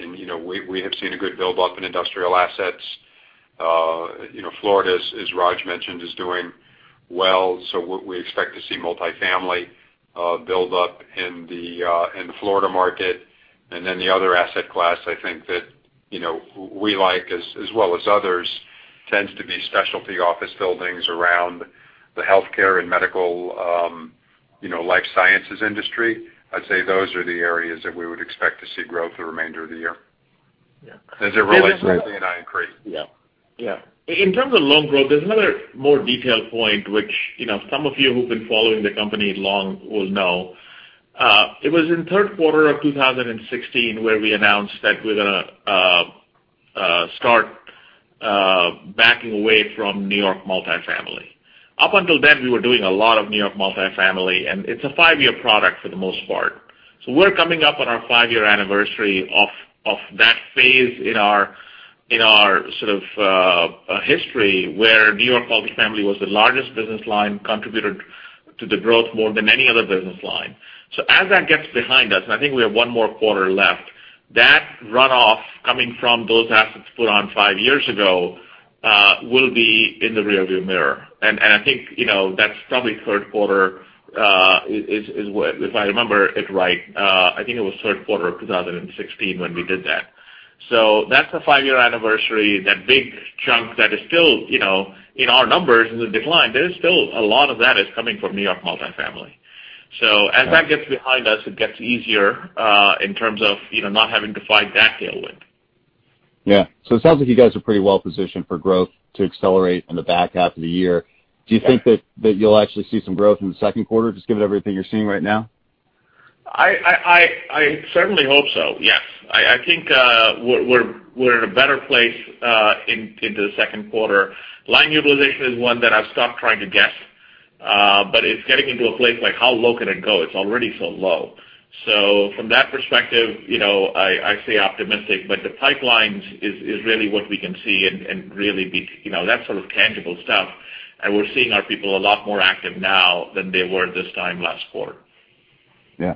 Speaker 4: we have seen a good build-up in industrial assets. Florida, as Raj mentioned, is doing well. We expect to see multifamily build up in the Florida market. The other asset class I think that we like as well as others tends to be specialty office buildings around the healthcare and medical life sciences industry. I'd say those are the areas that we would expect to see growth the remainder of the year.
Speaker 3: Yeah.
Speaker 4: As it relates to C&I and CRE.
Speaker 3: Yeah. In terms of loan growth, there's another more detailed point which some of you who've been following the company long will know. It was in third quarter of 2016 where we announced that we're going to start backing away from New York multifamily. Up until then, we were doing a lot of New York multifamily, and it's a five-year product for the most part. We're coming up on our five-year anniversary of that phase in our sort of history where New York multifamily was the largest business line, contributed to the growth more than any other business line. As that gets behind us, and I think we have one more quarter left, that runoff coming from those assets put on five years ago, will be in the rear view mirror. I think that's probably third quarter, if I remember it right. I think it was third quarter of 2016 when we did that. That's the five-year anniversary. That big chunk that is still in our numbers in the decline, there is still a lot of that is coming from New York multifamily. As that gets behind us, it gets easier, in terms of not having to fight that tailwind.
Speaker 6: Yeah. It sounds like you guys are pretty well positioned for growth to accelerate on the back half of the year.
Speaker 3: Yeah.
Speaker 6: Do you think that you'll actually see some growth in the second quarter, just given everything you're seeing right now?
Speaker 3: I certainly hope so, yes. I think we're in a better place into the second quarter. Line utilization is one that I've stopped trying to guess. It's getting into a place like how low can it go? It's already so low. From that perspective, I stay optimistic. The pipelines is really what we can see and really be, that sort of tangible stuff. We're seeing our people a lot more active now than they were this time last quarter.
Speaker 6: Yeah.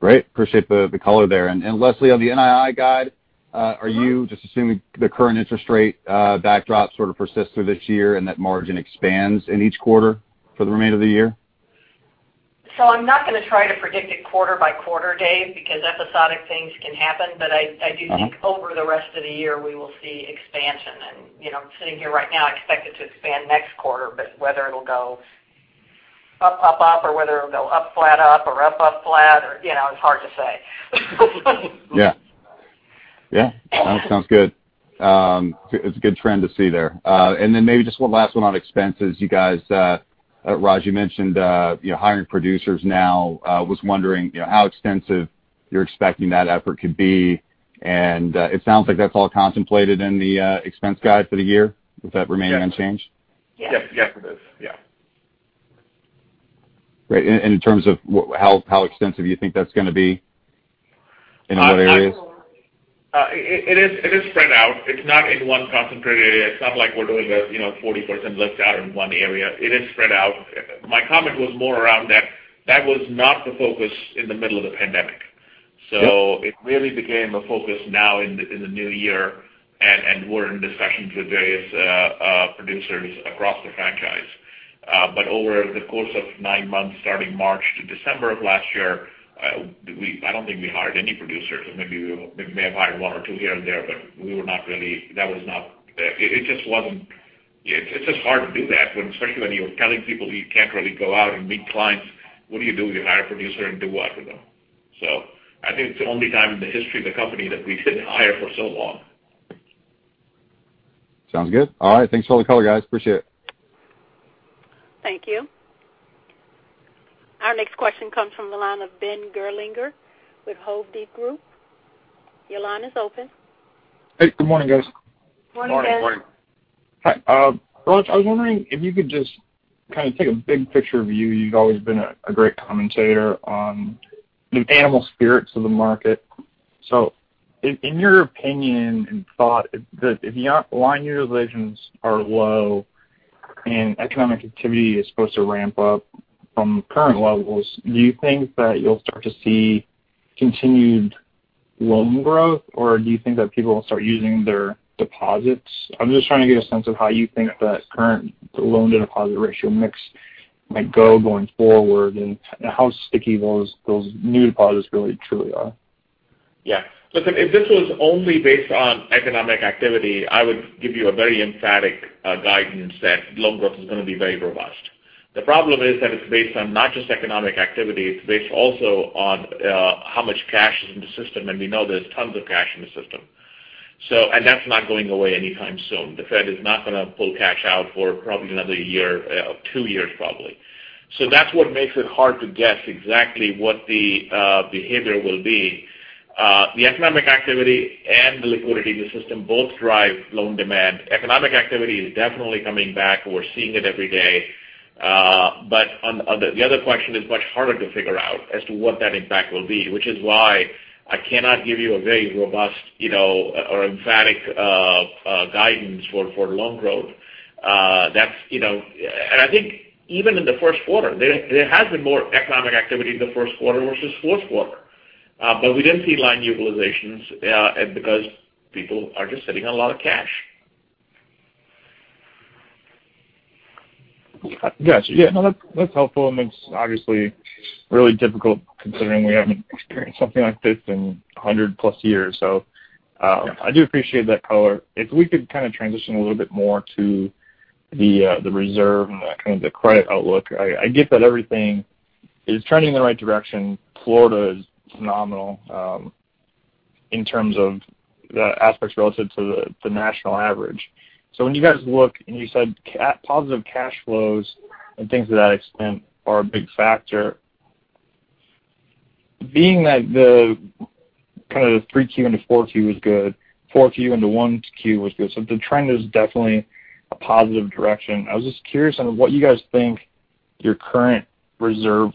Speaker 6: Great. Appreciate the color there. Leslie, on the NII guide, are you just assuming the current interest rate backdrop sort of persists through this year and that margin expands in each quarter for the remainder of the year?
Speaker 5: I'm not going to try to predict it quarter by quarter, Dave, because episodic things can happen. I do think over the rest of the year, we will see expansion. Sitting here right now, I expect it to expand next quarter, but whether it'll go up, up or whether it'll go up, flat, up or up, flat or It's hard to say.
Speaker 6: Yeah. Sounds good. It's a good trend to see there. Maybe just one last one on expenses. You guys, Raj, you mentioned hiring producers now. Was wondering how extensive you're expecting that effort could be, and it sounds like that's all contemplated in the expense guide for the year. Would that remain unchanged?
Speaker 4: Yes. Yes, it is. Yeah.
Speaker 6: Great. In terms of how extensive you think that's going to be in those areas?
Speaker 3: It is spread out. It's not in one concentrated area. It's not like we're doing a 40% lift out in one area. It is spread out. My comment was more around that that was not the focus in the middle of the pandemic.
Speaker 6: Yeah.
Speaker 3: It really became a focus now in the new year, and we're in discussions with various producers across the franchise. Over the course of nine months, starting March to December of last year, I don't think we hired any producers. Maybe we may have hired one or two here and there, but it's just hard to do that, especially when you're telling people you can't really go out and meet clients. What do you do? You hire a producer and do what with them? I think it's the only time in the history of the company that we didn't hire for so long.
Speaker 6: Sounds good. All right. Thanks for all the color, guys. Appreciate it.
Speaker 1: Thank you. Our next question comes from the line of Ben Gerlinger with Hovde Group. Your line is open.
Speaker 7: Hey, good morning, guys.
Speaker 5: Morning.
Speaker 3: Morning.
Speaker 7: Hi. Raj, I was wondering if you could just kind of take a big picture view. You've always been a great commentator on the animal spirits of the market. In your opinion and thought, if line utilizations are low and economic activity is supposed to ramp up from current levels, do you think that you'll start to see continued loan growth, or do you think that people will start using their deposits? I'm just trying to get a sense of how you think the current loan-to-deposit ratio mix might go going forward, and how sticky those new deposits really, truly are.
Speaker 3: Yeah. Listen, if this was only based on economic activity, I would give you a very emphatic guidance that loan growth is going to be very robust. The problem is that it's based on not just economic activity, it's based also on how much cash is in the system, and we know there's tons of cash in the system. That's not going away anytime soon. The Fed is not going to pull cash out for probably another year or two years probably. That's what makes it hard to guess exactly what the behavior will be. The economic activity and the liquidity in the system both drive loan demand. Economic activity is definitely coming back. We're seeing it every day. On the other question is much harder to figure out as to what that impact will be, which is why I cannot give you a very robust or emphatic guidance for loan growth. I think even in the first quarter, there has been more economic activity in the first quarter versus fourth quarter. We didn't see line utilizations because people are just sitting on a lot of cash.
Speaker 7: Got you. Yeah, no, that's helpful, and it's obviously really difficult considering we haven't experienced something like this in 100+ years.
Speaker 3: Yeah
Speaker 7: I do appreciate that color. If we could kind of transition a little bit more to the reserve and kind of the credit outlook. I get that everything is trending in the right direction. Florida is phenomenal in terms of the aspects relative to the national average. When you guys look and you said positive cash flows and things of that extent are a big factor. Being that the kind of the 3Q into 4Q was good, 4Q into 1Q was good. The trend is definitely a positive direction. I was just curious on what you guys think your current reserve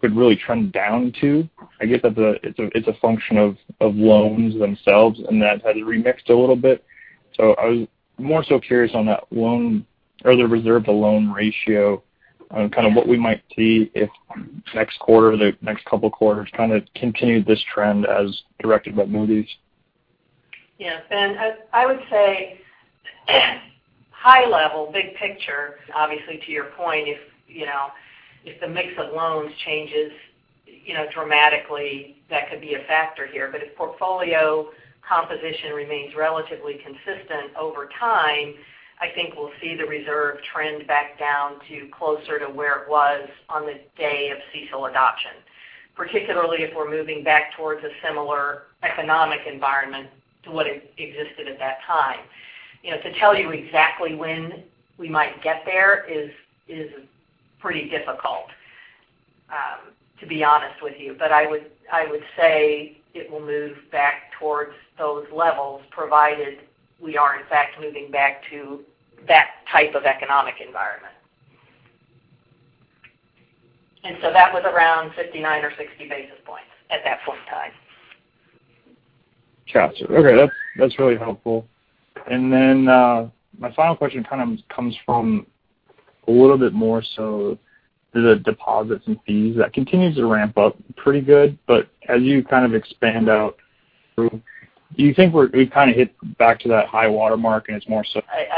Speaker 7: could really trend down to. I get that it's a function of loans themselves, and that has remixed a little bit. I was more so curious on that reserve to loan ratio on kind of what we might see if next quarter or the next couple of quarters kind of continued this trend as directed by Moody's.
Speaker 5: Yes. I would say high level, big picture, obviously to your point, if the mix of loans changes dramatically, that could be a factor here. If portfolio composition remains relatively consistent over time, I think we'll see the reserve trend back down to closer to where it was on the day of CECL adoption. Particularly if we're moving back towards a similar economic environment to what existed at that time. To tell you exactly when we might get there is pretty difficult, to be honest with you. I would say it will move back towards those levels provided we are in fact moving back to that type of economic environment. That was around 59 or 60 basis points at that point in time.
Speaker 7: Got you. Okay. That's really helpful. My final question kind of comes from a little bit more so the deposits and fees. That continues to ramp up pretty good, but as you kind of expand out through, do you think we kind of hit back to that high water mark?
Speaker 5: I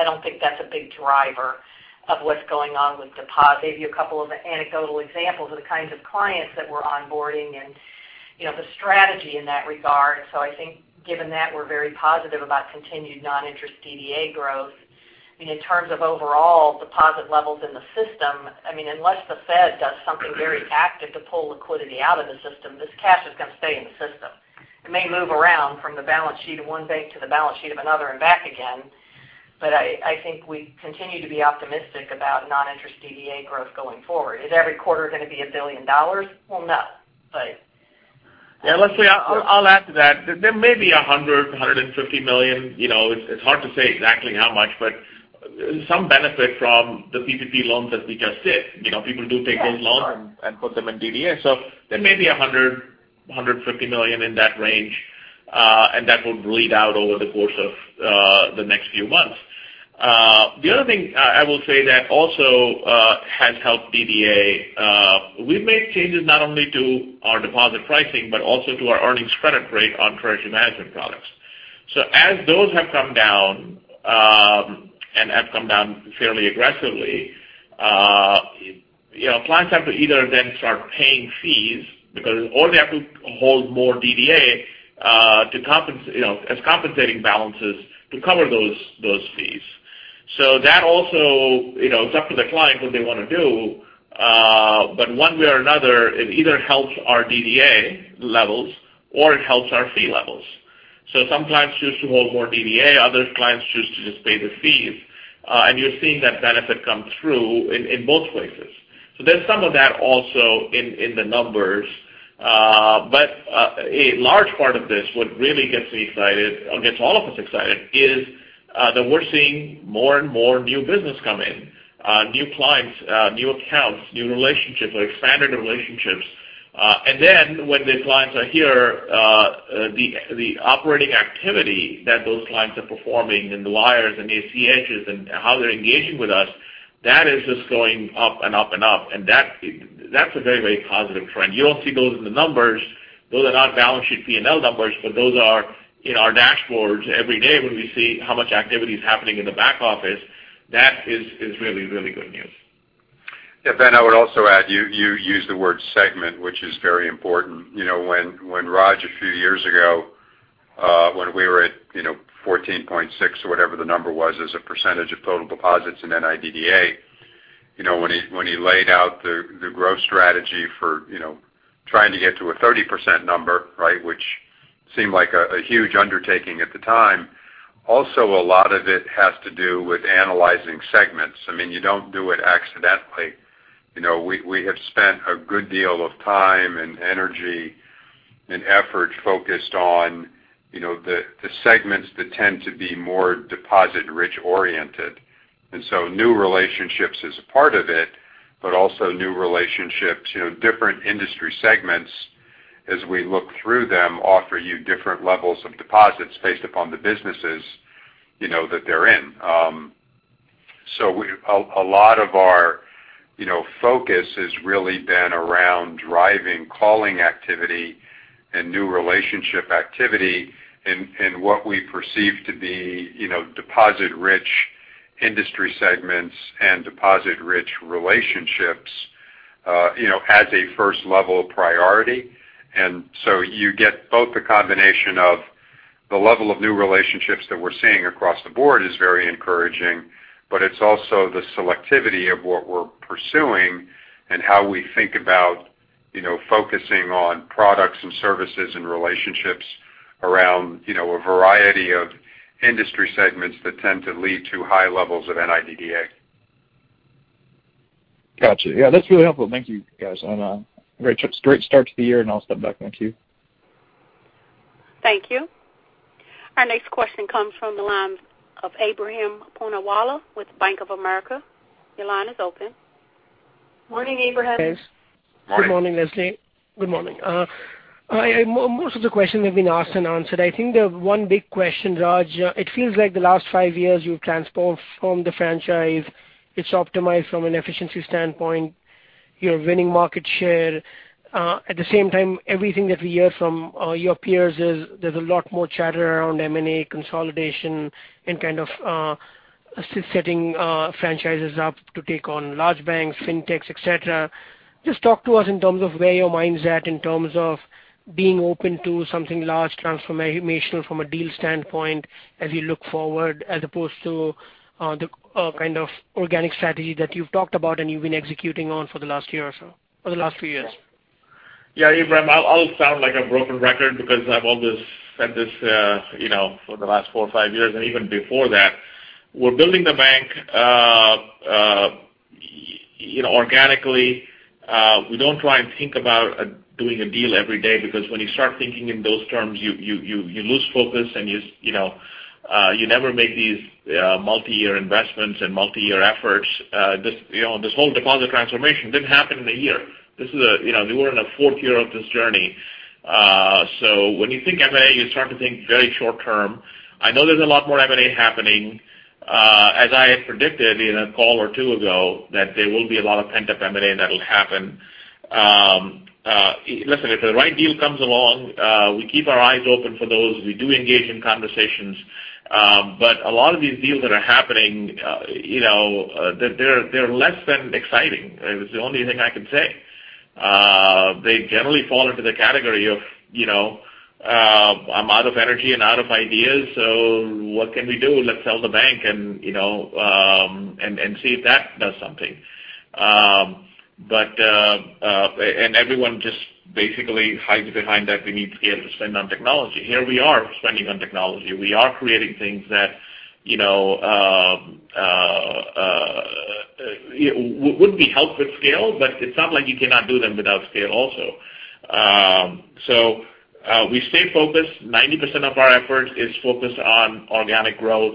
Speaker 5: don't think that's a big driver of what's going on with deposit. Give you a couple of anecdotal examples of the kinds of clients that we're onboarding and the strategy in that regard. I think given that, we're very positive about continued non-interest DDA growth. In terms of overall deposit levels in the system, unless the Fed does something very active to pull liquidity out of the system, this cash is going to stay in the system. It may move around from the balance sheet of one bank to the balance sheet of another and back again. I think we continue to be optimistic about non-interest DDA growth going forward. Is every quarter going to be $1 billion? No, but-
Speaker 3: Yeah, Leslie, I'll add to that. There may be $100 million-$150 million. It's hard to say exactly how much, but some benefit from the PPP loans as we just did. People do take those loans.
Speaker 5: Yeah, sure.
Speaker 3: and put them in DDA. There may be $100 million, $150 million in that range, and that would bleed out over the course of the next few months. The other thing I will say that also has helped DDA, we've made changes not only to our deposit pricing, but also to our earnings credit rate on treasury management products. As those have come down, and have come down fairly aggressively, clients have to either then start paying fees or they have to hold more DDA as compensating balances to cover those fees. That also, it's up to the client what they want to do. One way or another, it either helps our DDA levels or it helps our fee levels. Some clients choose to hold more DDA, other clients choose to just pay the fees. You're seeing that benefit come through in both places. There's some of that also in the numbers. A large part of this, what really gets me excited or gets all of us excited is that we're seeing more and more new business come in. New clients, new accounts, new relationships, or expanded relationships. When the clients are here, the operating activity that those clients are performing and the wires and the ACHs and how they're engaging with us, that is just going up and up. That's a very positive trend. You don't see those in the numbers. Those are not balance sheet P&L numbers, but those are in our dashboards every day when we see how much activity is happening in the back office. That is really good news.
Speaker 4: Yeah. Ben, I would also add, you used the word segment, which is very important. When Raj, a few years ago, when we were at 14.6% or whatever the number was as a percentage of total deposits in NIDDA. When he laid out the growth strategy for trying to get to a 30% number. Which seemed like a huge undertaking at the time. Also, a lot of it has to do with analyzing segments. You don't do it accidentally. We have spent a good deal of time and energy and effort focused on the segments that tend to be more deposit-rich oriented. New relationships is a part of it, but also new relationships, different industry segments as we look through them, offer you different levels of deposits based upon the businesses that they're in. A lot of our focus has really been around driving calling activity and new relationship activity in what we perceive to be deposit-rich industry segments and deposit-rich relationships, as a first level of priority. You get both the combination of the level of new relationships that we're seeing across the board is very encouraging, but it's also the selectivity of what we're pursuing and how we think about focusing on products and services and relationships around a variety of industry segments that tend to lead to high levels of NIDDA.
Speaker 7: Got you. Yeah, that's really helpful. Thank you guys. Great start to the year. I'll step back. Thank you.
Speaker 1: Thank you. Our next question comes from the line of Ebrahim Poonawala with Bank of America. Your line is open.
Speaker 5: Morning, Ebrahim.
Speaker 8: Good morning, Leslie. Good morning. Most of the questions have been asked and answered. I think the one big question, Raj, it feels like the last five years you've transformed the franchise. It's optimized from an efficiency standpoint. You're winning market share. At the same time, everything that we hear from your peers is there's a lot more chatter around M&A consolidation and kind of setting franchises up to take on large banks, fintechs, et cetera. Just talk to us in terms of where your mind's at in terms of being open to something large transformational from a deal standpoint as you look forward as opposed to the kind of organic strategy that you've talked about and you've been executing on for the last year or so, or the last few years.
Speaker 3: Yeah. Ebrahim, I'll sound like a broken record because I've always said this for the last four or five years and even before that. We're building the bank organically. We don't try and think about doing a deal every day because when you start thinking in those terms, you lose focus, and you never make these multi-year investments and multi-year efforts. This whole deposit transformation didn't happen in a year. We're in the fourth year of this journey. When you think M&A, you start to think very short term. I know there's a lot more M&A happening. As I had predicted in a call or two ago, that there will be a lot of pent-up M&A, and that'll happen. Listen, if the right deal comes along, we keep our eyes open for those. We do engage in conversations. A lot of these deals that are happening, they're less than exciting. It's the only thing I can say. They generally fall into the category of, I'm out of energy and out of ideas. What can we do? Let's sell the bank and see if that does something. Everyone just basically hides behind that we need scale to spend on technology. Here we are spending on technology. We are creating things that would be helped with scale, but it's not like you cannot do them without scale also. We stay focused. 90% of our effort is focused on organic growth.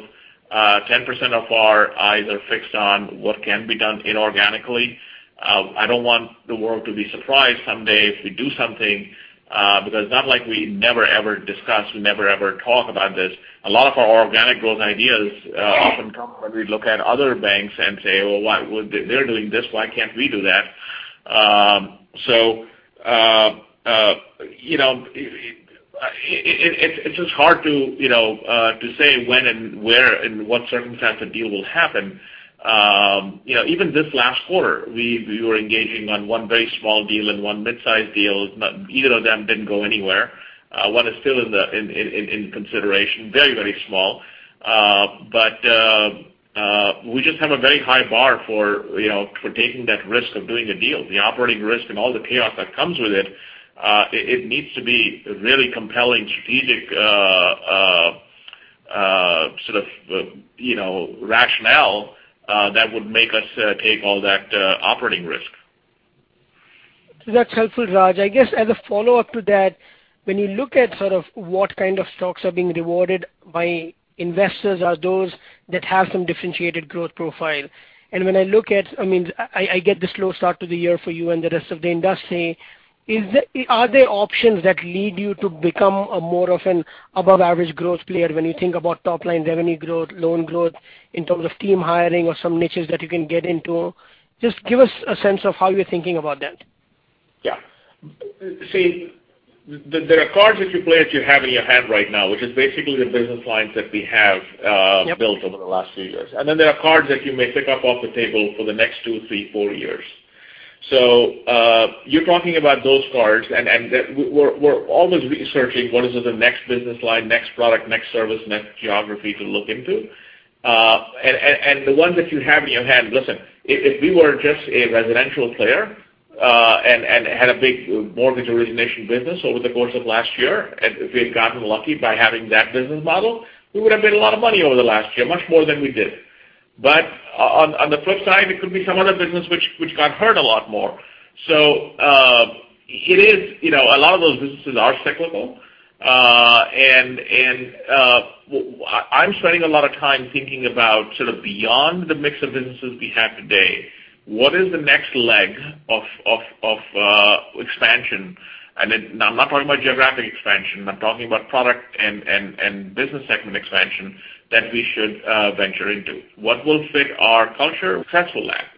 Speaker 3: 10% of our eyes are fixed on what can be done inorganically. I don't want the world to be surprised someday if we do something, because it's not like we never ever discuss. We never ever talk about this. A lot of our organic growth ideas often come when we look at other banks and say, "Well, they're doing this. Why can't we do that?" It's just hard to say when and where and what circumstance a deal will happen. Even this last quarter, we were engaging on one very small deal and one mid-size deal. Neither of them didn't go anywhere. One is still in consideration. Very small. We just have a very high bar for taking that risk of doing a deal, the operating risk and all the chaos that comes with it. It needs to be really compelling, strategic sort of rationale that would make us take all that operating risk.
Speaker 8: That's helpful, Raj. I guess as a follow-up to that, when you look at what kind of stocks are being rewarded by investors are those that have some differentiated growth profile. I get the slow start to the year for you and the rest of the industry. Are there options that lead you to become a more of an above-average growth player when you think about top-line revenue growth, loan growth, in terms of team hiring or some niches that you can get into? Just give us a sense of how you're thinking about that.
Speaker 3: Yeah. See, there are cards that you play that you have in your hand right now, which is basically the business lines that we have-
Speaker 8: Yep
Speaker 3: built over the last few years. There are cards that you may pick up off the table for the next two, three, four years. You're talking about those cards, and we're always researching what is the next business line, next product, next service, next geography to look into. The ones that you have in your hand, listen, if we were just a residential player, and had a big mortgage origination business over the course of last year, and we had gotten lucky by having that business model, we would've made a lot of money over the last year, much more than we did. On the flip side, it could be some other business which got hurt a lot more. A lot of those businesses are cyclical. I'm spending a lot of time thinking about sort of beyond the mix of businesses we have today. What is the next leg of expansion? I'm not talking about geographic expansion. I'm talking about product and business segment expansion that we should venture into. What will fit our culture?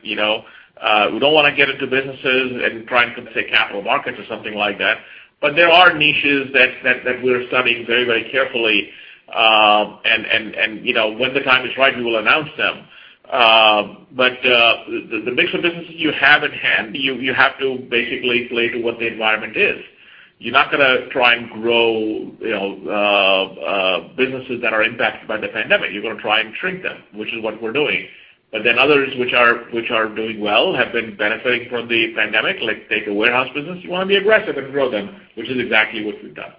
Speaker 3: We don't want to get into businesses and try and compete with the capital markets or something like that. There are niches that we're studying very carefully. When the time is right, we will announce them. The mix of businesses you have at hand, you have to basically play to what the environment is. You're not going to try and grow businesses that are impacted by the pandemic. You're going to try and shrink them, which is what we're doing. Others which are doing well, have been benefiting from the pandemic, like take the warehouse business, you want to be aggressive and grow them, which is exactly what we've done.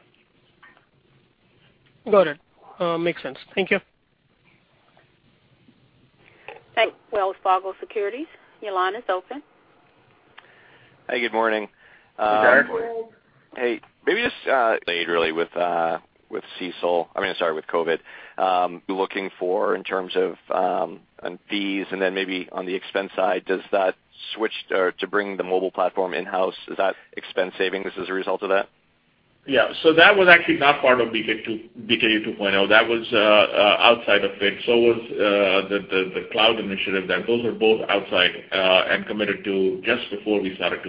Speaker 8: Got it. Makes sense. Thank you.
Speaker 1: Thanks. Wells Fargo Securities, your line is open.
Speaker 9: Hi, good morning.
Speaker 3: Hi.
Speaker 9: Hey, maybe just delayed really with CECL. I mean, sorry with COVID. Looking for in terms of on fees, and then maybe on the expense side, does that switch to bring the mobile platform in-house, is that expense savings as a result of that?
Speaker 3: Yeah. That was actually not part of 2.0. That was outside of it. The cloud initiative there. Those are both outside and committed to just before we started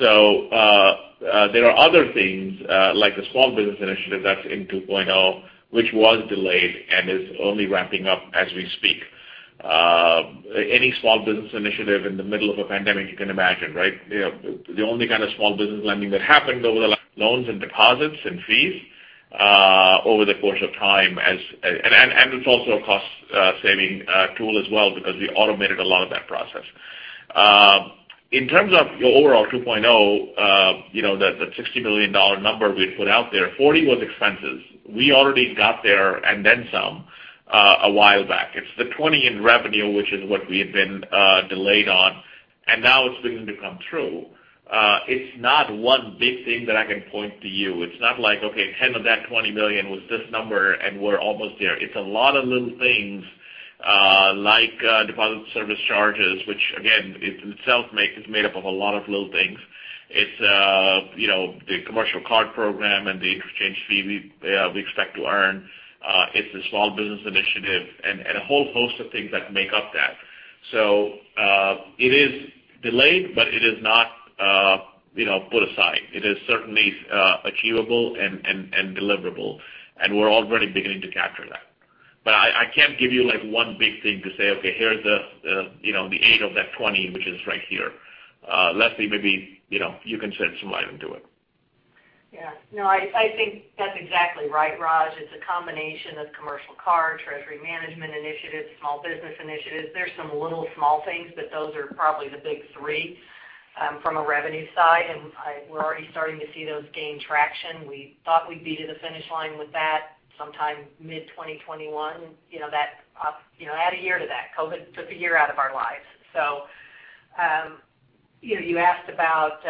Speaker 3: 2.0. There are other things, like the Small Business Initiative that's in 2.0, which was delayed and is only ramping up as we speak. Any small business initiative in the middle of a pandemic, you can imagine, right? The only kind of small business lending that happened over the last loans and deposits and fees over the course of time. It's also a cost saving tool as well because we automated a lot of that process. In terms of overall 2.0, that $60 million number we had put out there, $40 million was expenses. We already got there and then some a while back. It's the $20 million in revenue, which is what we had been delayed on, and now it's beginning to come through. It's not one big thing that I can point to you. It's not like, okay, $10 million of that $20 million was this number, and we're almost there. It's a lot of little things, like deposit service charges, which again, is itself made up of a lot of little things. It's the commercial card program and the interchange fee we expect to earn. It's the small business initiative and a whole host of things that make up that. It is delayed, but it is not put aside. It is certainly achievable and deliverable, and we're already beginning to capture that. I can't give you one big thing to say, okay, here's the $8 million of that $20 million, which is right here. Leslie, maybe you can shed some light into it.
Speaker 5: Yeah. No, I think that's exactly right, Raj. It's a combination of commercial card, treasury management initiatives, small business initiatives. There's some little small things, but those are probably the big three from a revenue side. We're already starting to see those gain traction. We thought we'd be to the finish line with that sometime mid 2021. Add a year to that. COVID took a year out of our lives. You asked about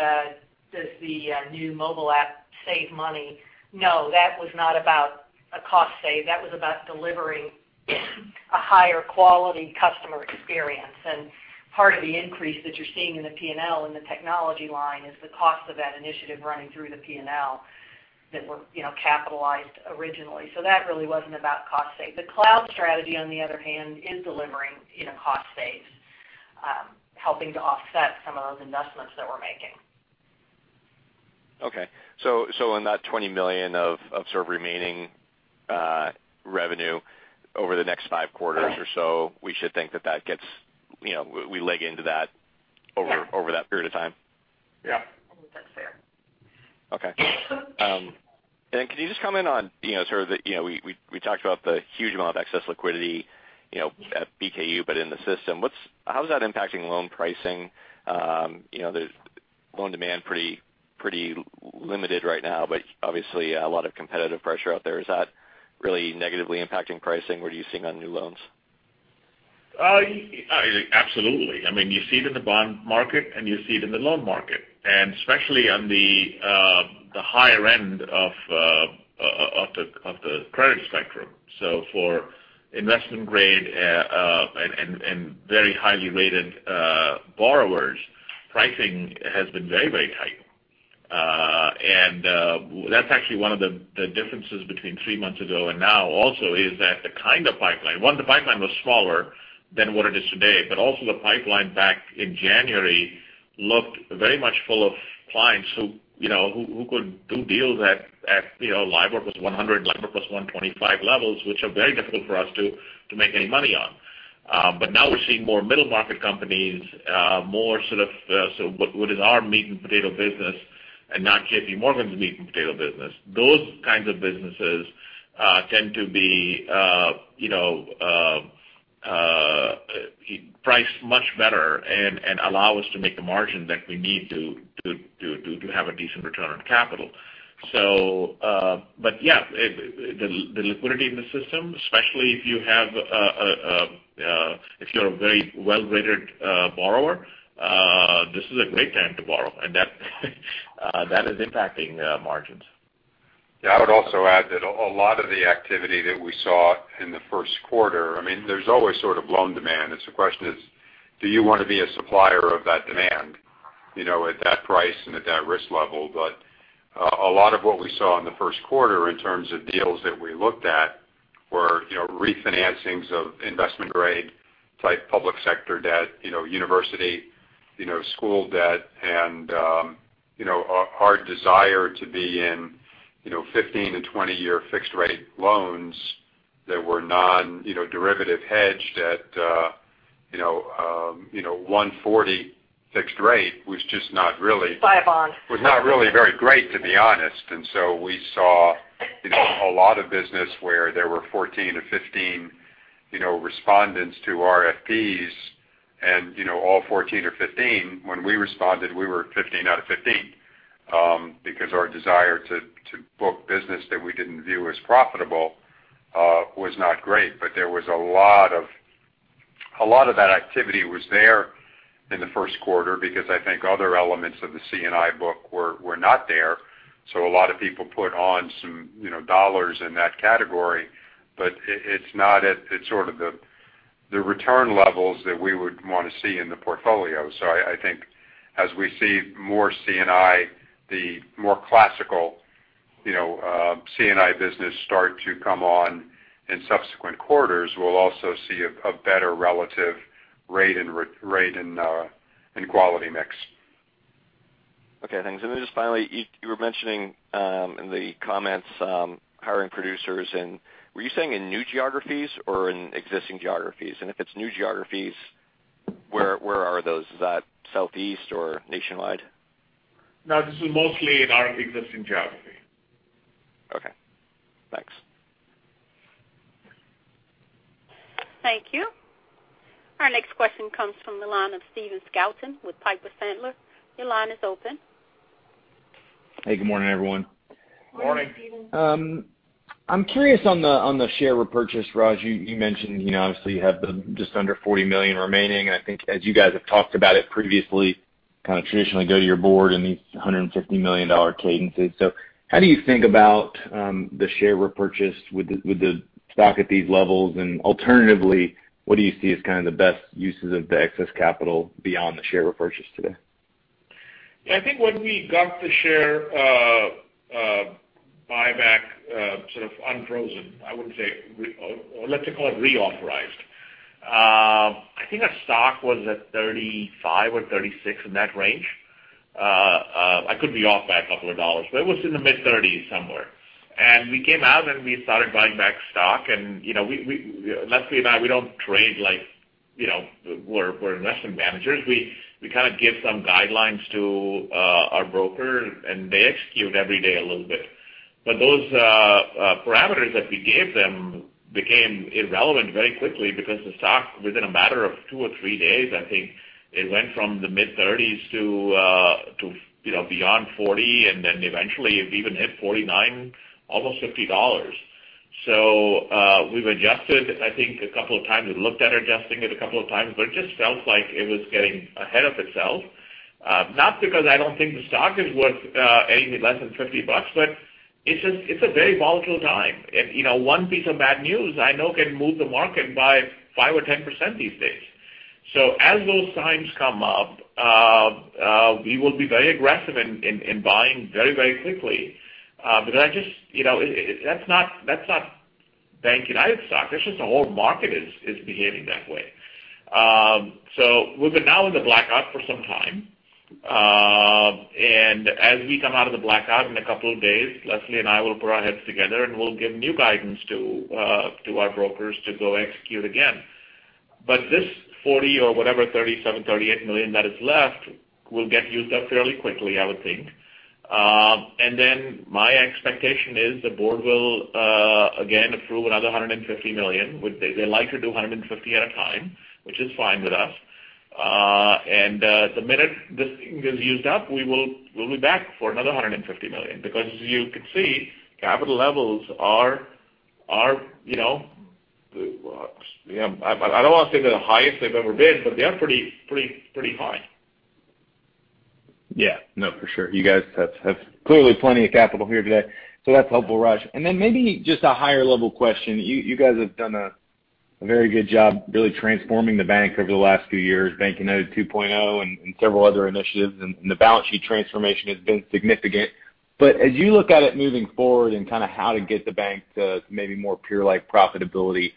Speaker 5: does the new mobile app save money? No, that was not about a cost save. That was about delivering a higher quality customer experience. Part of the increase that you're seeing in the P&L in the technology line is the cost of that initiative running through the P&L that were capitalized originally. That really wasn't about cost save. The cloud strategy, on the other hand, is delivering in a cost save, helping to offset some of those investments that we're making.
Speaker 9: Okay. In that $20 million of sort of remaining revenue over the next five quarters or so-
Speaker 5: Right
Speaker 9: we should think that we leg into that.
Speaker 5: Yeah
Speaker 9: that period of time?
Speaker 3: Yeah.
Speaker 5: I think that's fair.
Speaker 9: Okay. Can you just comment on sort of we talked about the huge amount of excess liquidity at BKU, but in the system? How is that impacting loan pricing? There's loan demand pretty limited right now, but obviously a lot of competitive pressure out there. Is that really negatively impacting pricing? What are you seeing on new loans?
Speaker 3: Absolutely. You see it in the bond market, you see it in the loan market, especially on the higher end of the credit spectrum. For investment grade and very highly rated borrowers, pricing has been very tight. That's actually one of the differences between three months ago and now also is that the kind of pipeline. One, the pipeline was smaller than what it is today, but also the pipeline back in January looked very much full of clients who could do deals at LIBOR plus 100, LIBOR plus 125 levels, which are very difficult for us to make any money on. Now we're seeing more middle-market companies, more sort of what is our meat and potato business and not JPMorgan's meat and potato business. Those kinds of businesses tend to be priced much better and allow us to make the margin that we need to have a decent return on capital. Yeah, the liquidity in the system, especially if you're a very well-rated borrower, this is a great time to borrow. That is impacting margins.
Speaker 4: Yeah. I would also add that a lot of the activity that we saw in the first quarter, there's always sort of loan demand. It's the question is, do you want to be a supplier of that demand, at that price and at that risk level? A lot of what we saw in the first quarter in terms of deals that we looked at were refinancings of investment-grade type public sector debt, university, school debt, and our desire to be in 15- and 20-year fixed rate loans that were non-derivative hedged at 1.40 fixed rate was just not really.
Speaker 5: Buy a bond.
Speaker 4: was not really very great, to be honest. We saw a lot of business where there were 14 or 15 respondents to RFPs and all 14 or 15, when we responded, we were 15 out of 15 because our desire to book business that we didn't view as profitable was not great. A lot of that activity was there in the first quarter because I think other elements of the C&I book were not there. A lot of people put on some dollars in that category. It's not at the sort of the return levels that we would want to see in the portfolio. I think as we see more C&I, the more classical C&I business start to come on in subsequent quarters, we'll also see a better relative rate and quality mix.
Speaker 9: Okay, thanks. Just finally, you were mentioning in the comments, hiring producers and were you saying in new geographies or in existing geographies? If it's new geographies, where are those? Is that Southeast or nationwide?
Speaker 3: No, this is mostly in our existing geography.
Speaker 9: Okay, thanks.
Speaker 1: Thank you. Our next question comes from the line of Stephen Scouten with Piper Sandler. Your line is open.
Speaker 10: Hey, good morning, everyone.
Speaker 3: Morning.
Speaker 4: Morning.
Speaker 10: I'm curious on the share repurchase. Raj, you mentioned obviously you have just under $40 million remaining, and I think as you guys have talked about it previously, kind of traditionally go to your board in these $150 million cadences. How do you think about the share repurchase with the stock at these levels? Alternatively, what do you see as kind of the best uses of the excess capital beyond the share repurchase today?
Speaker 3: Yeah, I think when we got the share buyback sort of unfrozen, or let's just call it reauthorized. I think our stock was at $35 or $36, in that range. I could be off by a couple of dollars, but it was in the mid-30s somewhere. We came out and we started buying back stock. Leslie and I, we don't trade like we're investment managers. We kind of give some guidelines to our broker, and they execute every day a little bit. Those parameters that we gave them became irrelevant very quickly because the stock within a matter of two or three days, I think it went from the mid-30s to beyond $40, and then eventually it even hit $49, almost $50. We've adjusted, I think a couple of times. We looked at adjusting it a couple of times, but it just felt like it was getting ahead of itself. Not because I don't think the stock is worth anything less than $50, but it's a very volatile time. One piece of bad news I know can move the market by 5% or 10% these days. As those times come up we will be very aggressive in buying very quickly. That's not BankUnited stock. It's just the whole market is behaving that way. We've been now in the blackout for some time. As we come out of the blackout in a couple of days, Leslie and I will put our heads together, and we'll give new guidance to our brokers to go execute again. This $40 or whatever, $37, $38 million that is left will get used up fairly quickly, I would think. My expectation is the board will again approve another $150 million. They like to do $150 million at a time, which is fine with us. The minute this thing is used up, we'll be back for another $150 million because as you can see, capital levels are I don't want to say they're the highest they've ever been, but they are pretty high.
Speaker 10: Yeah. No, for sure. You guys have clearly plenty of capital here today. That's helpful, Raj. Maybe just a higher level question. You guys have done a very good job really transforming the bank over the last few years, BankUnited 2.0 and several other initiatives, and the balance sheet transformation has been significant. As you look at it moving forward and how to get the bank to maybe more peer-like profitability,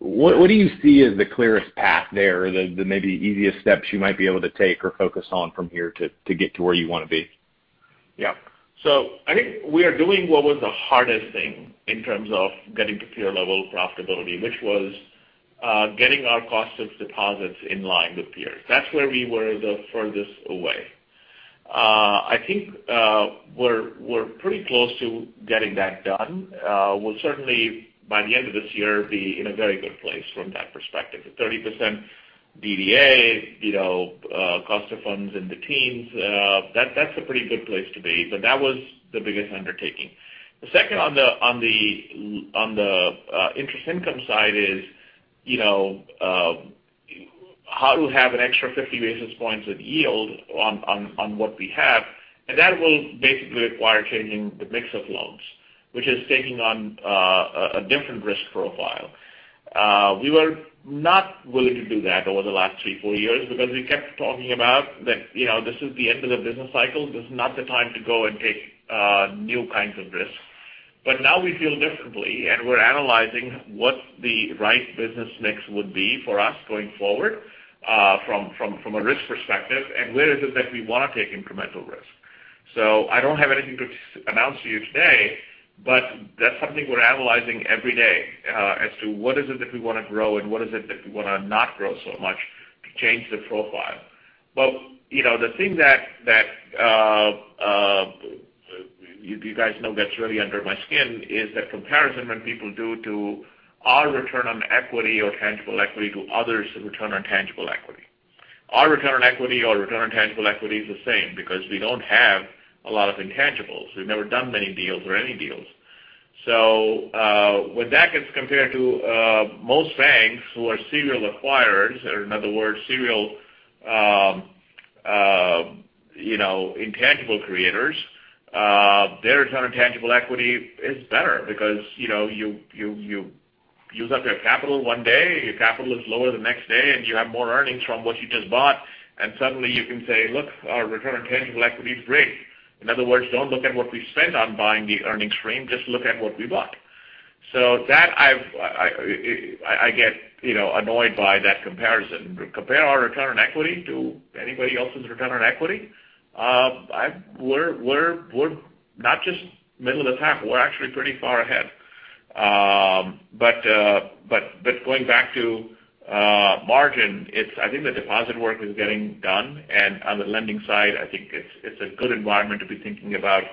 Speaker 10: what do you see as the clearest path there? The maybe easiest steps you might be able to take or focus on from here to get to where you want to be?
Speaker 3: I think we are doing what was the hardest thing in terms of getting to peer level profitability, which was getting our cost of deposits in line with peers. That's where we were the furthest away. I think we're pretty close to getting that done. We'll certainly, by the end of this year, be in a very good place from that perspective. 30% DDA, cost of funds in the teens. That's a pretty good place to be. That was the biggest undertaking. The second on the interest income side is how to have an extra 50 basis points of yield on what we have. That will basically require changing the mix of loans, which is taking on a different risk profile. We were not willing to do that over the last three, four years because we kept talking about that this is the end of the business cycle. This is not the time to go and take new kinds of risks. Now we feel differently, and we're analyzing what the right business mix would be for us going forward from a risk perspective and where is it that we want to take incremental risk. I don't have anything to announce to you today, but that's something we're analyzing every day as to what is it that we want to grow and what is it that we want to not grow so much to change the profile. The thing that you guys know that's really under my skin is the comparison when people do to our return on equity or tangible equity to others' return on tangible equity. Our return on equity or return on tangible equity is the same because we don't have a lot of intangibles. We've never done many deals or any deals. When that gets compared to most banks who are serial acquirers, or in other words, serial intangible creators, their return on tangible equity is better because you use up your capital one day, your capital is lower the next day, and you have more earnings from what you just bought, and suddenly you can say, "Look, our return on tangible equity is great." In other words, don't look at what we spent on buying the earnings stream, just look at what we bought. That I get annoyed by that comparison. Compare our return on equity to anybody else's return on equity. We're not just middle of the pack, we're actually pretty far ahead. Going back to margin, I think the deposit work is getting done, and on the lending side, I think it's a good environment to be thinking about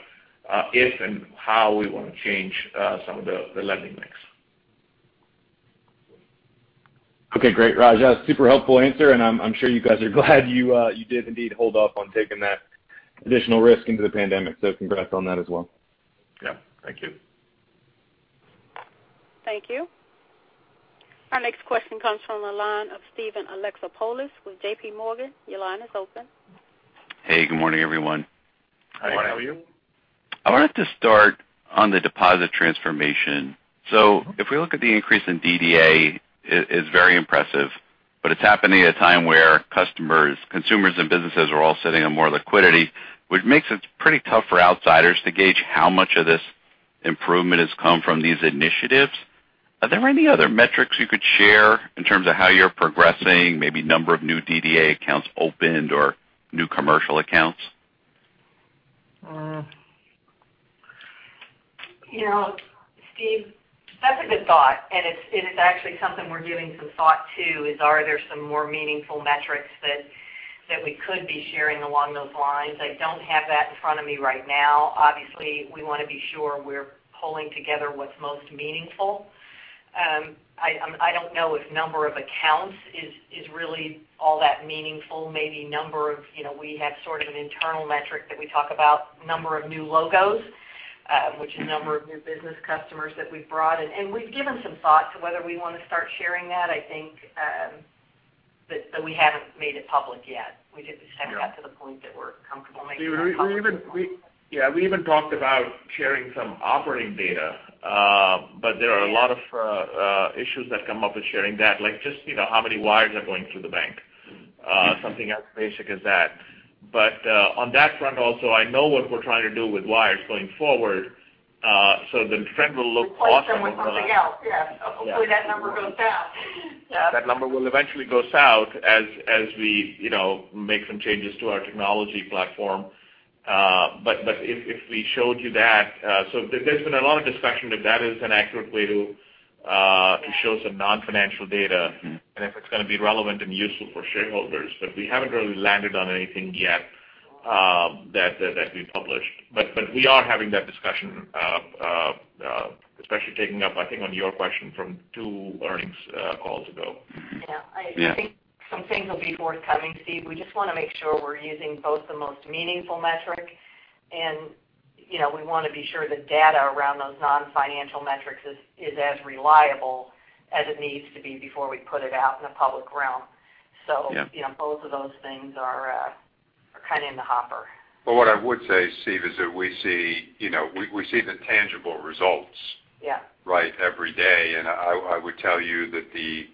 Speaker 3: if and how we want to change some of the lending mix.
Speaker 10: Okay. Great, Raj. That was a super helpful answer, and I'm sure you guys are glad you did indeed hold off on taking that additional risk into the pandemic. Congrats on that as well.
Speaker 3: Yeah. Thank you.
Speaker 1: Thank you. Our next question comes from the line of Steven Alexopoulos with JPMorgan. Your line is open.
Speaker 11: Hey, good morning, everyone. Good morning. How are you? I wanted to start on the deposit transformation. If we look at the increase in DDA, it is very impressive, but it's happening at a time where customers, consumers and businesses are all sitting on more liquidity, which makes it pretty tough for outsiders to gauge how much of this improvement has come from these initiatives. Are there any other metrics you could share in terms of how you're progressing, maybe number of new DDA accounts opened or new commercial accounts?
Speaker 5: Steve, that's a good thought, and it is actually something we're giving some thought to, is are there some more meaningful metrics that we could be sharing along those lines. I don't have that in front of me right now. Obviously, we want to be sure we're pulling together what's most meaningful. I don't know if number of accounts is really all that meaningful. Maybe we have sort of an internal metric that we talk about number of new logos, which is number of new business customers that we've brought in. We've given some thought to whether we want to start sharing that. I think we haven't made it public yet. We just haven't got to the point that we're comfortable making that public.
Speaker 3: Yeah. We even talked about sharing some operating data. There are a lot of issues that come up with sharing that. Like just how many wires are going through the bank. Something as basic as that. On that front also, I know what we're trying to do with wires going forward. The trend will look awesome.
Speaker 5: Replace them with something else. Yeah. Hopefully that number goes south. Yeah.
Speaker 3: That number will eventually go south as we make some changes to our technology platform. If we showed you, there's been a lot of discussion if that is an accurate way to show some non-financial data and if it's going to be relevant and useful for shareholders. We haven't really landed on anything yet. That we published. We are having that discussion, especially taking up, I think on your question from two earnings calls ago.
Speaker 5: Yeah.
Speaker 11: Yeah.
Speaker 5: I think some things will be forthcoming, Steve. We just want to make sure we're using both the most meaningful metric, and we want to be sure the data around those non-financial metrics is as reliable as it needs to be before we put it out in the public realm.
Speaker 11: Yeah.
Speaker 5: Both of those things are kind of in the hopper.
Speaker 4: What I would say, Steve, is that we see the tangible results.
Speaker 5: Yeah
Speaker 4: right, every day. I would tell you that the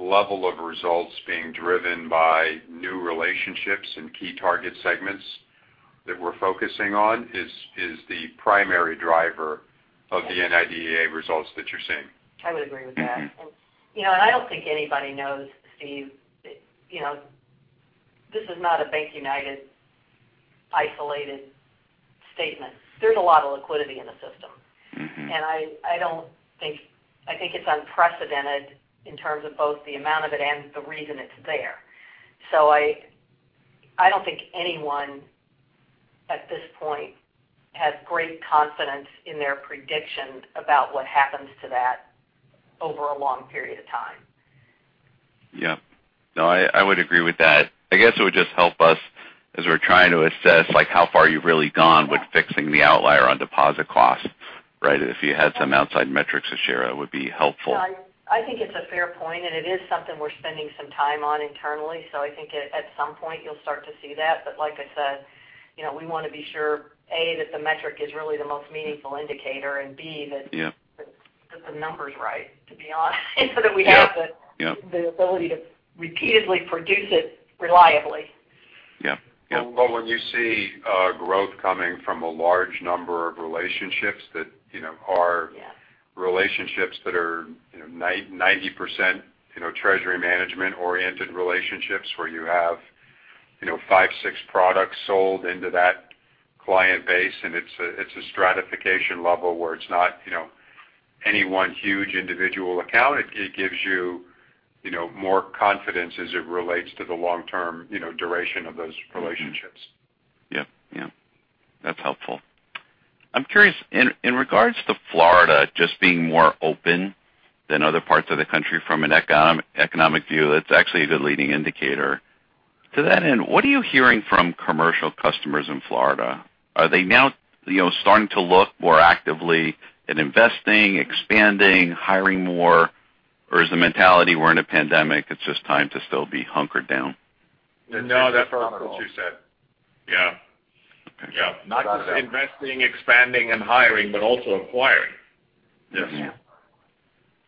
Speaker 4: level of results being driven by new relationships and key target segments that we're focusing on is the primary driver of the NIDDA results that you're seeing.
Speaker 5: I would agree with that. I don't think anybody knows, Steve, this is not a BankUnited isolated statement. There's a lot of liquidity in the system. I think it's unprecedented in terms of both the amount of it and the reason it's there. I don't think anyone at this point has great confidence in their prediction about what happens to that over a long period of time.
Speaker 11: Yeah. No, I would agree with that. I guess it would just help us as we're trying to assess, like how far you've really gone with fixing the outlier on deposit costs, right? If you had some outside metrics to share, that would be helpful.
Speaker 5: No, I think it's a fair point, and it is something we're spending some time on internally. I think at some point you'll start to see that. Like I said, we want to be sure, A, that the metric is really the most meaningful indicator, and B, that.
Speaker 11: Yeah
Speaker 5: that the number's right, to be honest.
Speaker 11: Yeah.
Speaker 5: So that we have the-
Speaker 11: Yeah
Speaker 5: the ability to repeatedly produce it reliably.
Speaker 11: Yeah.
Speaker 4: Well, when you see growth coming from a large number of relationships that are-
Speaker 5: Yeah
Speaker 4: relationships that are 90% treasury management-oriented relationships, where you have five, six products sold into that client base, and it's a stratification level where it's not any one huge individual account, it gives you more confidence as it relates to the long-term duration of those relationships.
Speaker 11: Mm-hmm. Yeah. That's helpful. I'm curious in regards to Florida just being more open than other parts of the country from an economic view, that's actually a good leading indicator. To that end, what are you hearing from commercial customers in Florida? Are they now starting to look more actively at investing, expanding, hiring more? Or is the mentality we're in a pandemic, it's just time to still be hunkered down?
Speaker 4: No, that's what you said. Yeah. Okay. Yeah. Not just investing, expanding and hiring, but also acquiring.
Speaker 11: Yeah.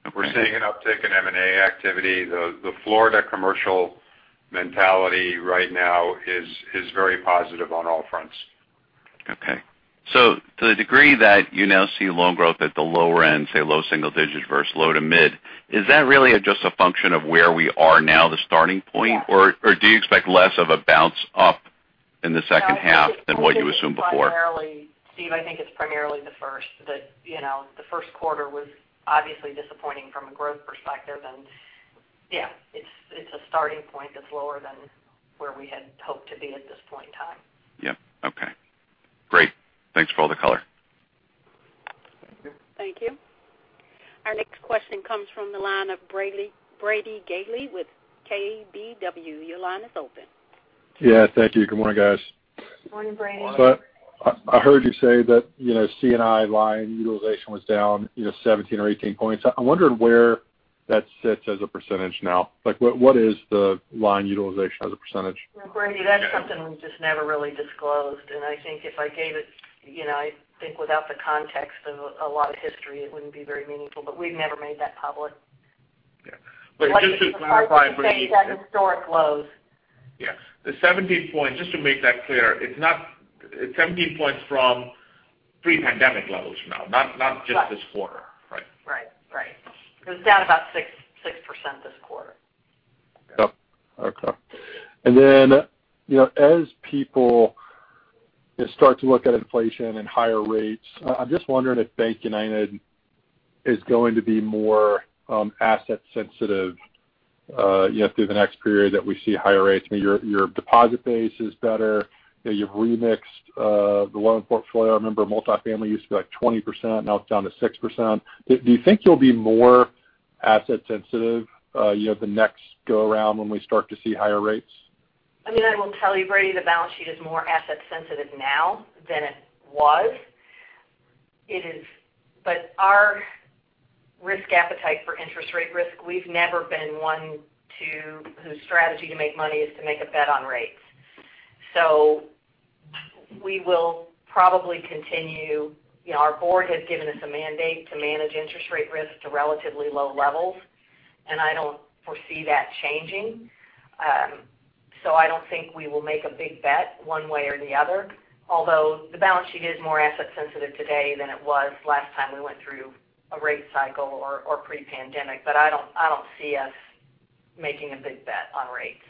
Speaker 11: Okay.
Speaker 4: We're seeing an uptick in M&A activity. The Florida commercial mentality right now is very positive on all fronts.
Speaker 11: To the degree that you now see loan growth at the lower end, say low single digits versus low to mid, is that really just a function of where we are now, the starting point? Or do you expect less of a bounce up in the second half than what you assumed before?
Speaker 5: Steve, I think it's primarily the first. The first quarter was obviously disappointing from a growth perspective. Yeah, it's a starting point that's lower than where we had hoped to be at this point in time.
Speaker 11: Yeah. Okay. Great. Thanks for all the color.
Speaker 5: Thank you.
Speaker 1: Our next question comes from the line of Brady Gailey with KBW. Your line is open.
Speaker 12: Yeah, thank you. Good morning, guys.
Speaker 5: Good morning, Brady.
Speaker 4: Good morning.
Speaker 12: I heard you say that C&I line utilization was down 17 or 18 points. I'm wondering where that sits as a percentage now. What is the line utilization as a percentage?
Speaker 5: Well, Brady, that's something we've just never really disclosed. I think if I gave it, I think without the context of a lot of history, it wouldn't be very meaningful, but we've never made that public.
Speaker 4: Yeah. just to clarify, Brady-
Speaker 5: Like I said, it's at historic lows.
Speaker 4: Yeah. The 17 points, just to make that clear, it's 17 points from pre-pandemic levels now, not just this quarter, right?
Speaker 5: Right. It was down about 6% this quarter.
Speaker 12: Yep. Okay. As people start to look at inflation and higher rates, I'm just wondering if BankUnited is going to be more asset sensitive through the next period that we see higher rates. I mean, your deposit base is better. You've remixed the loan portfolio. I remember multifamily used to be like 20%, now it's down to 6%. Do you think you'll be more asset sensitive the next go around when we start to see higher rates?
Speaker 5: I mean, I will tell you, Brady, the balance sheet is more asset sensitive now than it was. Our risk appetite for interest rate risk, we've never been one whose strategy to make money is to make a bet on rates. We will probably continue. Our board has given us a mandate to manage interest rate risks to relatively low levels, and I don't foresee that changing. I don't think we will make a big bet one way or the other, although the balance sheet is more asset sensitive today than it was last time we went through a rate cycle or pre-pandemic. I don't see us making a big bet on rates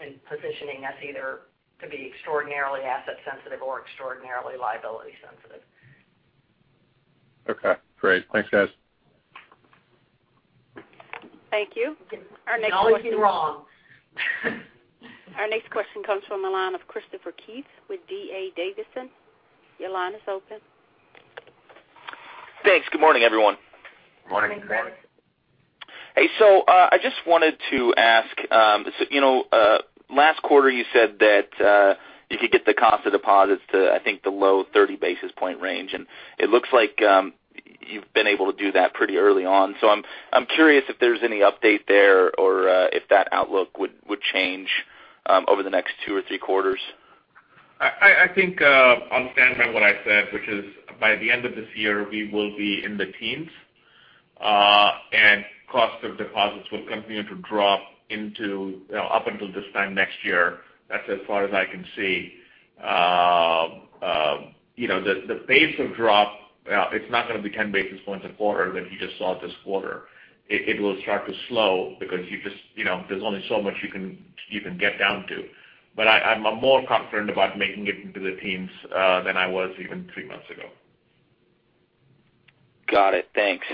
Speaker 5: and positioning us either to be extraordinarily asset sensitive or extraordinarily liability sensitive.
Speaker 12: Okay, great. Thanks, guys.
Speaker 1: Thank you. Our next question.
Speaker 5: You can always be wrong.
Speaker 1: Our next question comes from the line of Christopher Keith with D.A. Davidson. Your line is open.
Speaker 13: Thanks. Good morning, everyone.
Speaker 5: Morning.
Speaker 3: Good morning.
Speaker 13: Hey. I just wanted to ask, last quarter you said that if you get the cost of deposits to, I think, the low 30 basis point range. It looks like you've been able to do that pretty early on. I'm curious if there's any update there or if that outlook would change over the next two or three quarters.
Speaker 3: I think I'll stand by what I said, which is by the end of this year, we will be in the teens, and cost of deposits will continue to drop up until this time next year. That's as far as I can see. The pace of drop, it's not going to be 10 basis points a quarter that you just saw this quarter. It will start to slow because there's only so much you can get down to. I'm more confident about making it into the teens, than I was even three months ago.
Speaker 13: Got it. Thanks.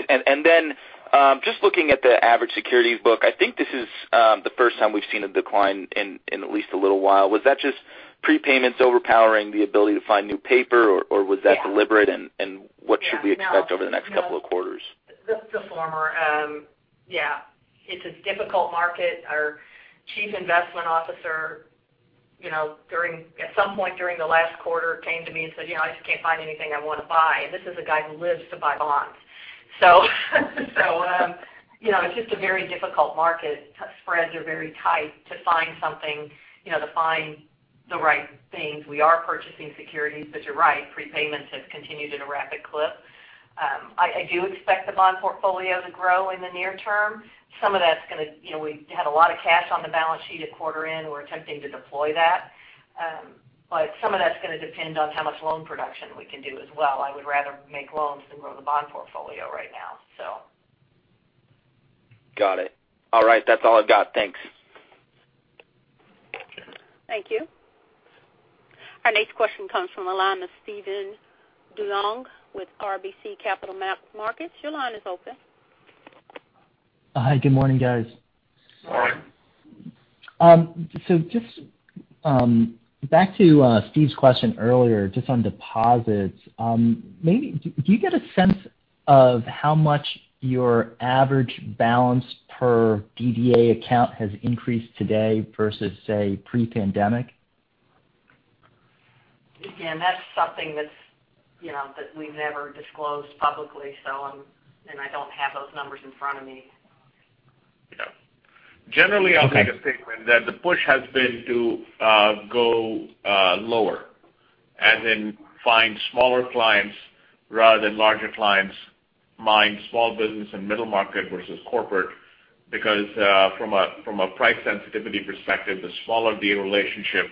Speaker 13: Just looking at the average securities book, I think this is the first time we've seen a decline in at least a little while. Was that just prepayments overpowering the ability to find new paper, or was that deliberate?
Speaker 5: Yeah.
Speaker 13: What should we expect over the next couple of quarters?
Speaker 5: The former. Yeah, it's a difficult market. Our Chief Investment Officer, at some point during the last quarter, came to me and said, "I just can't find anything I want to buy." This is a guy who lives to buy bonds. It's just a very difficult market. Spreads are very tight to find something, to find the right things. We are purchasing securities, you're right, prepayments have continued at a rapid clip. I do expect the bond portfolio to grow in the near term. We had a lot of cash on the balance sheet at quarter end. We're attempting to deploy that. Some of that's going to depend on how much loan production we can do as well. I would rather make loans than grow the bond portfolio right now.
Speaker 13: Got it. All right, that's all I've got. Thanks.
Speaker 1: Thank you. Our next question comes from the line of Stephen Duran with RBC Capital Markets. Your line is open.
Speaker 14: Hi. Good morning, guys.
Speaker 5: Morning.
Speaker 14: Just back to Steve's question earlier, just on deposits, do you get a sense of how much your average balance per DDA account has increased today versus, say, pre-pandemic?
Speaker 5: That's something that we've never disclosed publicly, and I don't have those numbers in front of me.
Speaker 14: Yeah. Okay.
Speaker 3: I'll make a statement that the push has been to go lower and then find smaller clients rather than larger clients, mine small business and middle market versus corporate. From a price sensitivity perspective, the smaller the relationship,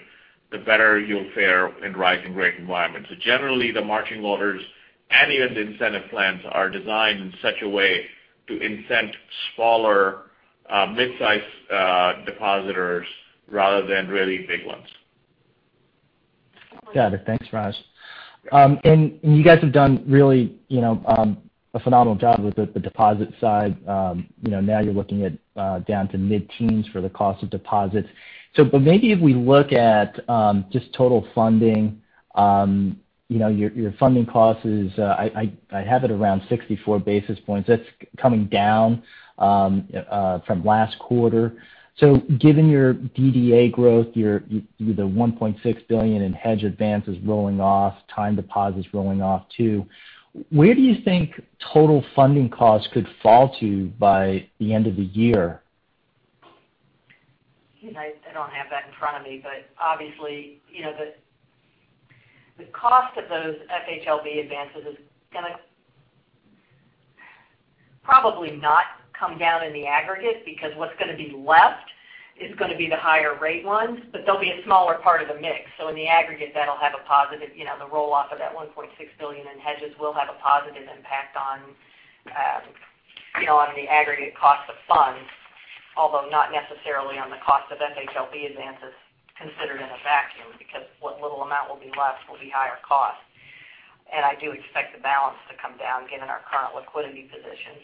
Speaker 3: the better you'll fare in rising rate environments. Generally, the margin loaders and even the incentive plans are designed in such a way to incent smaller, midsize depositors rather than really big ones.
Speaker 14: Got it. Thanks, Raj. You guys have done really a phenomenal job with the deposit side. Now you're looking at down to mid-teens for the cost of deposits. Maybe if we look at just total funding, your funding cost is, I have it around 64 basis points. That's coming down from last quarter. Given your DDA growth, the $1.6 billion in hedge advances rolling off, time deposits rolling off too, where do you think total funding costs could fall to by the end of the year?
Speaker 5: I don't have that in front of me, obviously, the cost of those FHLB advances is going to probably not come down in the aggregate because what's going to be left is going to be the higher rate ones, but they'll be a smaller part of the mix. In the aggregate, that'll have a positive. The roll-off of that $1.6 billion in hedges will have a positive impact on the aggregate cost of funds, although not necessarily on the cost of FHLB advances considered in a vacuum, because what little amount will be left will be higher cost. I do expect the balance to come down given our current liquidity position.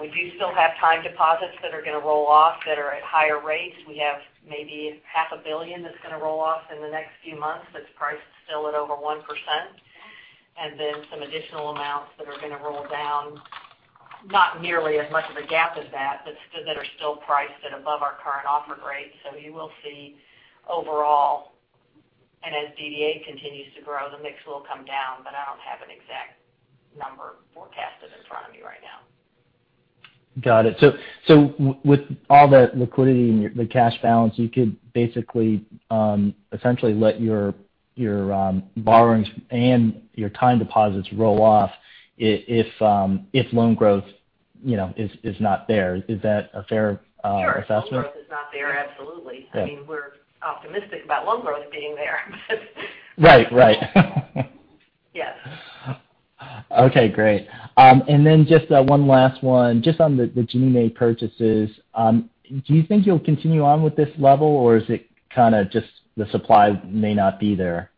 Speaker 5: We do still have time deposits that are going to roll off that are at higher rates. We have maybe $0.5 billion That's going to roll off in the next few months that's priced still at over 1%, and then some additional amounts that are going to roll down, not nearly as much of a gap as that, but that are still priced at above our current offer rate. You will see overall, and as DDA continues to grow, the mix will come down, but I don't have an exact number forecasted in front of me right now.
Speaker 14: Got it. With all the liquidity and the cash balance, you could basically essentially let your borrowings and your time deposits roll off if loan growth is not there. Is that a fair assessment?
Speaker 5: Sure. If loan growth is not there, absolutely.
Speaker 14: Yeah.
Speaker 5: We're optimistic about loan growth being there.
Speaker 14: Right.
Speaker 5: Yes.
Speaker 14: Okay, great. Just one last one. Just on the Ginnie Mae purchases, do you think you'll continue on with this level, or is it kind of just the supply may not be there?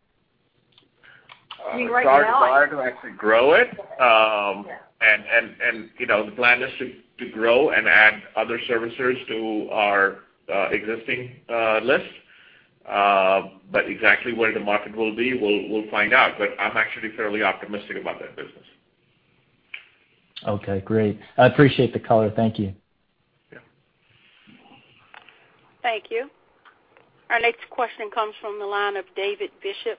Speaker 3: It's hard to actually grow it.
Speaker 5: Yeah.
Speaker 3: The plan is to grow and add other servicers to our existing list. Exactly where the market will be, we'll find out. I'm actually fairly optimistic about that business.
Speaker 14: Okay, great. I appreciate the color. Thank you.
Speaker 3: Yeah.
Speaker 1: Thank you. Our next question comes from the line of David Bishop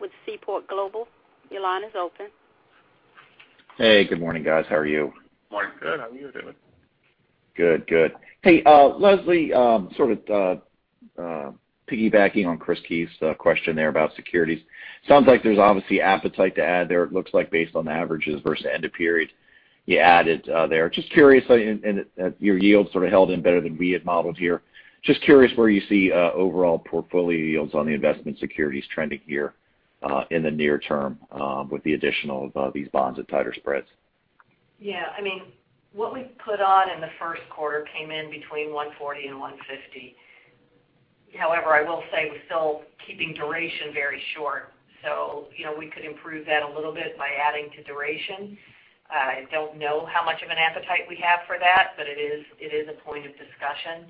Speaker 1: with Seaport Global. Your line is open.
Speaker 15: Hey, good morning, guys. How are you?
Speaker 3: Morning.
Speaker 5: Good. How are you doing?
Speaker 15: Good. Hey, Leslie, sort of piggybacking on Chris Keith's question there about securities. Sounds like there's obviously appetite to add there. It looks like based on the averages versus end of period you added there. Just curious, and your yields sort of held in better than we had modeled here. Just curious where you see overall portfolio yields on the investment securities trending here, in the near term, with the additional of these bonds at tighter spreads?
Speaker 5: Yeah. What we put on in the first quarter came in between 140 and 150. I will say we're still keeping duration very short. We could improve that a little bit by adding to duration. I don't know how much of an appetite we have for that, but it is a point of discussion.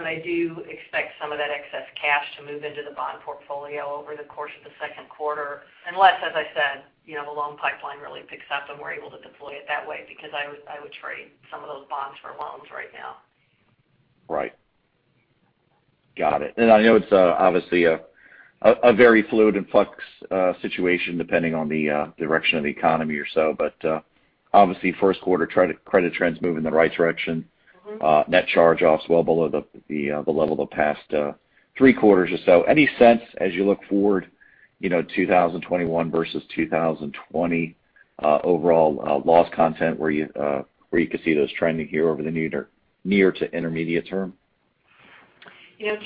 Speaker 5: I do expect some of that excess cash to move into the bond portfolio over the course of the second quarter, unless, as I said, the loan pipeline really picks up and we're able to deploy it that way, because I would trade some of those bonds for loans right now.
Speaker 15: Right. Got it. I know it's obviously a very fluid and flux situation depending on the direction of the economy or so. Obviously first quarter credit trends move in the right direction. Net charge-offs well below the level the past three quarters or so. Any sense as you look forward, 2021 versus 2020, overall, loss content where you could see those trending here over the near to intermediate term?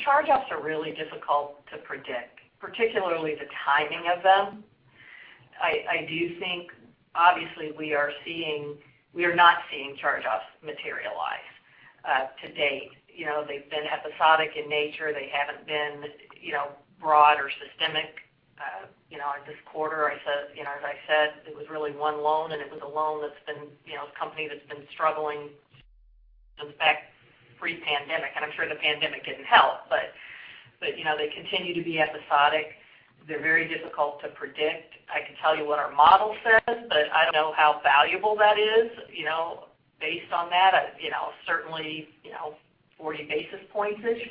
Speaker 5: Charge-offs are really difficult to predict, particularly the timing of them. I do think obviously we are not seeing charge-offs materialize to date. They've been episodic in nature. They haven't been broad or systemic. This quarter as I said, it was really one loan, and it was a loan that's been-- a company that's been struggling goes back pre-pandemic, and I'm sure the pandemic didn't help. They continue to be episodic. They're very difficult to predict. I can tell you what our model says, but I don't know how valuable that is, based on that. Certainly, 40 basis points-ish.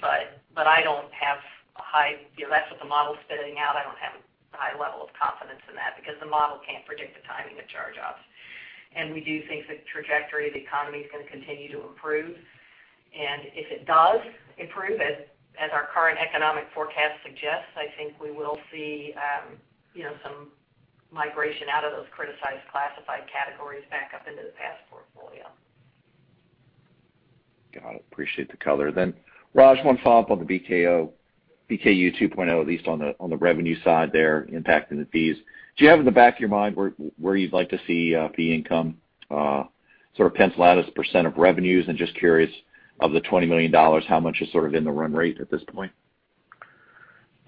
Speaker 5: That's what the model's spitting out. I don't have a high level of confidence in that because the model can't predict the timing of charge-offs. We do think the trajectory of the economy is going to continue to improve. If it does improve as our current economic forecast suggests, I think we will see some migration out of those criticized classified categories back up into the pass portfolio.
Speaker 15: Got it. Appreciate the color. Raj, one follow-up on the BankUnited 2.0, at least on the revenue side there impacting the fees. Do you have in the back of your mind where you'd like to see fee income sort of penciled out as a percent of revenues? Just curious, of the $20 million, how much is sort of in the run rate at this point?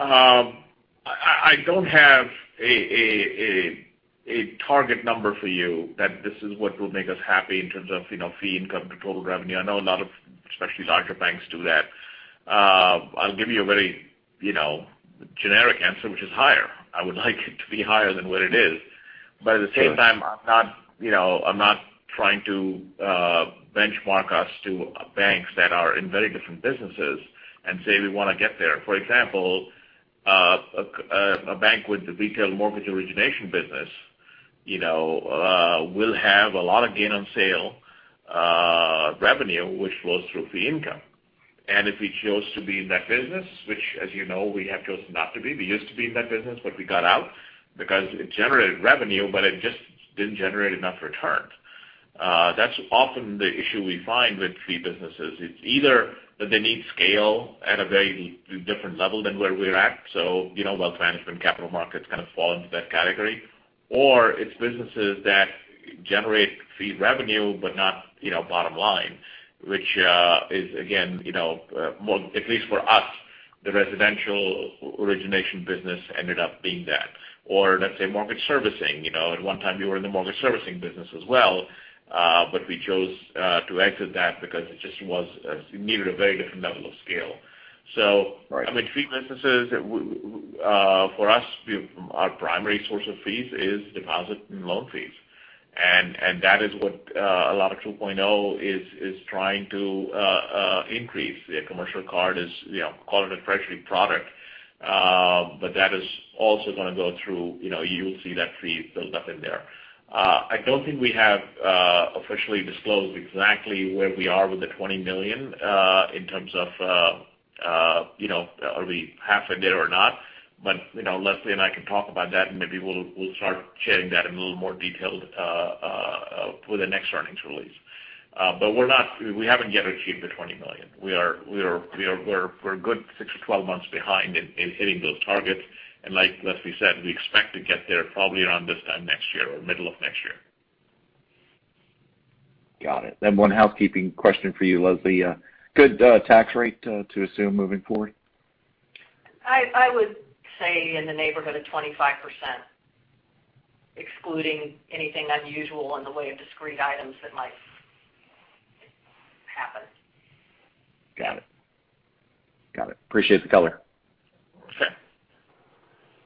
Speaker 3: I don't have a target number for you that this is what will make us happy in terms of fee income to total revenue. I know a lot of especially larger banks do that. I'll give you a very generic answer, which is higher. I would like it to be higher than what it is. At the same time, I'm not trying to benchmark us to banks that are in very different businesses and say we want to get there. For example, a bank with the retail mortgage origination business will have a lot of gain on sale revenue which flows through fee income. If we chose to be in that business, which as you know we have chosen not to be. We used to be in that business but we got out because it generated revenue but it just didn't generate enough return. That's often the issue we find with fee businesses. It's either that they need scale at a very different level than where we're at. Wealth management, capital markets kind of fall into that category. It's businesses that generate fee revenue but not bottom line, which is again, at least for us, the residential origination business ended up being that. Let's say mortgage servicing. At one time we were in the mortgage servicing business as well. We chose to exit that because it needed a very different level of scale.
Speaker 15: Right.
Speaker 3: Fee businesses for us, our primary source of fees is deposit and loan fees. That is what a lot of 2.0 is trying to increase. The commercial card is, call it a treasury product. That is also going to go through. You'll see that fee build up in there. I don't think we have officially disclosed exactly where we are with the $20 million, in terms of are we half in there or not. Leslie and I can talk about that, and maybe we'll start sharing that in a little more detail for the next earnings release. We haven't yet achieved the $20 million. We're a good six to 12 months behind in hitting those targets. Like Leslie said, we expect to get there probably around this time next year or middle of next year.
Speaker 15: Got it. One housekeeping question for you, Leslie. Good tax rate to assume moving forward?
Speaker 5: I would say in the neighborhood of 25%, excluding anything unusual in the way of discrete items that might happen.
Speaker 15: Got it. Appreciate the color.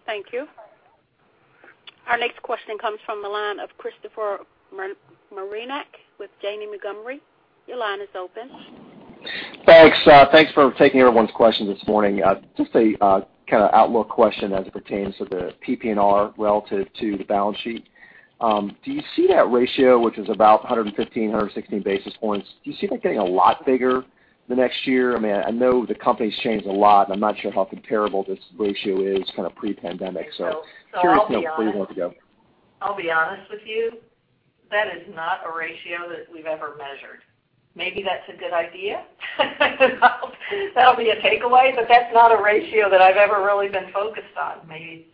Speaker 5: Sure.
Speaker 1: Thank you. Our next question comes from the line of Christopher Marinac with Janney Montgomery. Your line is open.
Speaker 16: Thanks. Thanks for taking everyone's questions this morning. Just a kind of outlook question as it pertains to the PPNR relative to the balance sheet. Do you see that ratio, which is about 115, 116 basis points, do you see that getting a lot bigger in the next year? I know the company's changed a lot, and I'm not sure how comparable this ratio is kind of pre-pandemic. Curious where you want to go.
Speaker 5: I'll be honest with you, that is not a ratio that we've ever measured. Maybe that's a good idea. That'll be a takeaway, but that's not a ratio that I've ever really been focused on. Maybe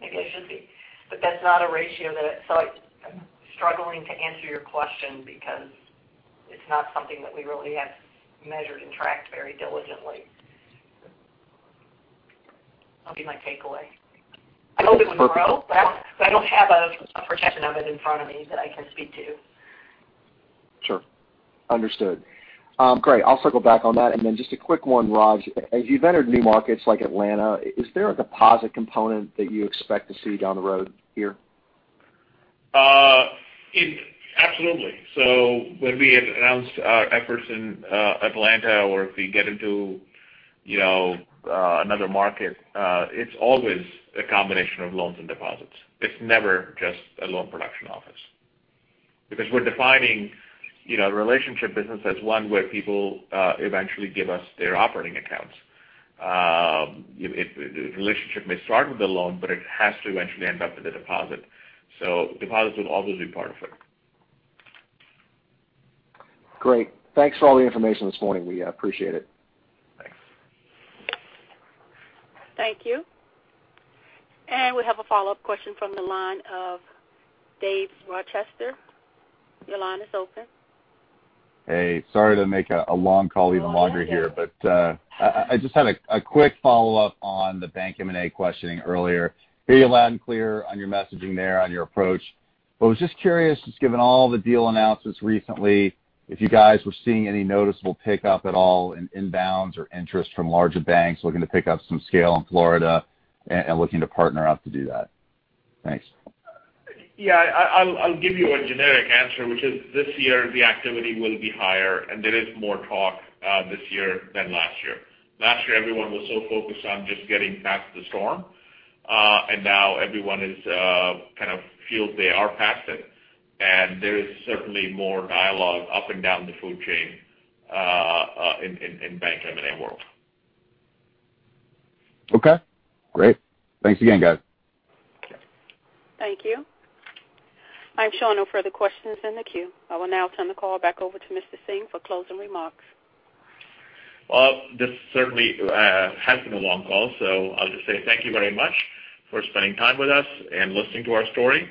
Speaker 5: I should be. That's not a ratio so I'm struggling to answer your question because it's not something that we really have measured and tracked very diligently. That'll be my takeaway. I hope it would grow, but I don't have a projection of it in front of me that I can speak to.
Speaker 16: Sure. Understood. Great. I'll circle back on that. Just a quick one, Raj. As you've entered new markets like Atlanta, is there a deposit component that you expect to see down the road here?
Speaker 3: Absolutely. When we had announced our efforts in Atlanta or if we get into another market, it's always a combination of loans and deposits. It's never just a loan production office because we're defining relationship business as one where people eventually give us their operating accounts. The relationship may start with a loan, but it has to eventually end up with a deposit. Deposits will always be part of it.
Speaker 16: Great. Thanks for all the information this morning. We appreciate it.
Speaker 3: Thanks.
Speaker 1: Thank you. We have a follow-up question from the line of Dave Rochester. Your line is open.
Speaker 6: Hey, sorry to make a long call even longer here. I just had a quick follow-up on the bank M&A questioning earlier. Hear you loud and clear on your messaging there on your approach. I was just curious, just given all the deal announcements recently, if you guys were seeing any noticeable pickup at all in inbounds or interest from larger banks looking to pick up some scale in Florida and looking to partner up to do that. Thanks.
Speaker 3: Yeah. I'll give you a generic answer, which is this year the activity will be higher and there is more talk this year than last year. Last year, everyone was so focused on just getting past the storm. Now everyone kind of feels they are past it. There is certainly more dialogue up and down the food chain in bank M&A world.
Speaker 6: Okay, great. Thanks again, guys.
Speaker 3: Okay.
Speaker 1: Thank you. I'm showing no further questions in the queue. I will now turn the call back over to Mr. Singh for closing remarks.
Speaker 3: This certainly has been a long call, so I'll just say thank you very much for spending time with us and listening to our story.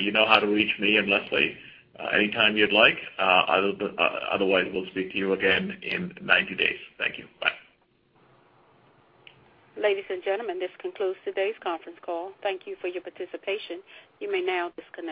Speaker 3: You know how to reach me and Leslie anytime you'd like. We'll speak to you again in 90 days. Thank you. Bye.
Speaker 1: Ladies and gentlemen, this concludes today's conference call. Thank you for your participation. You may now disconnect.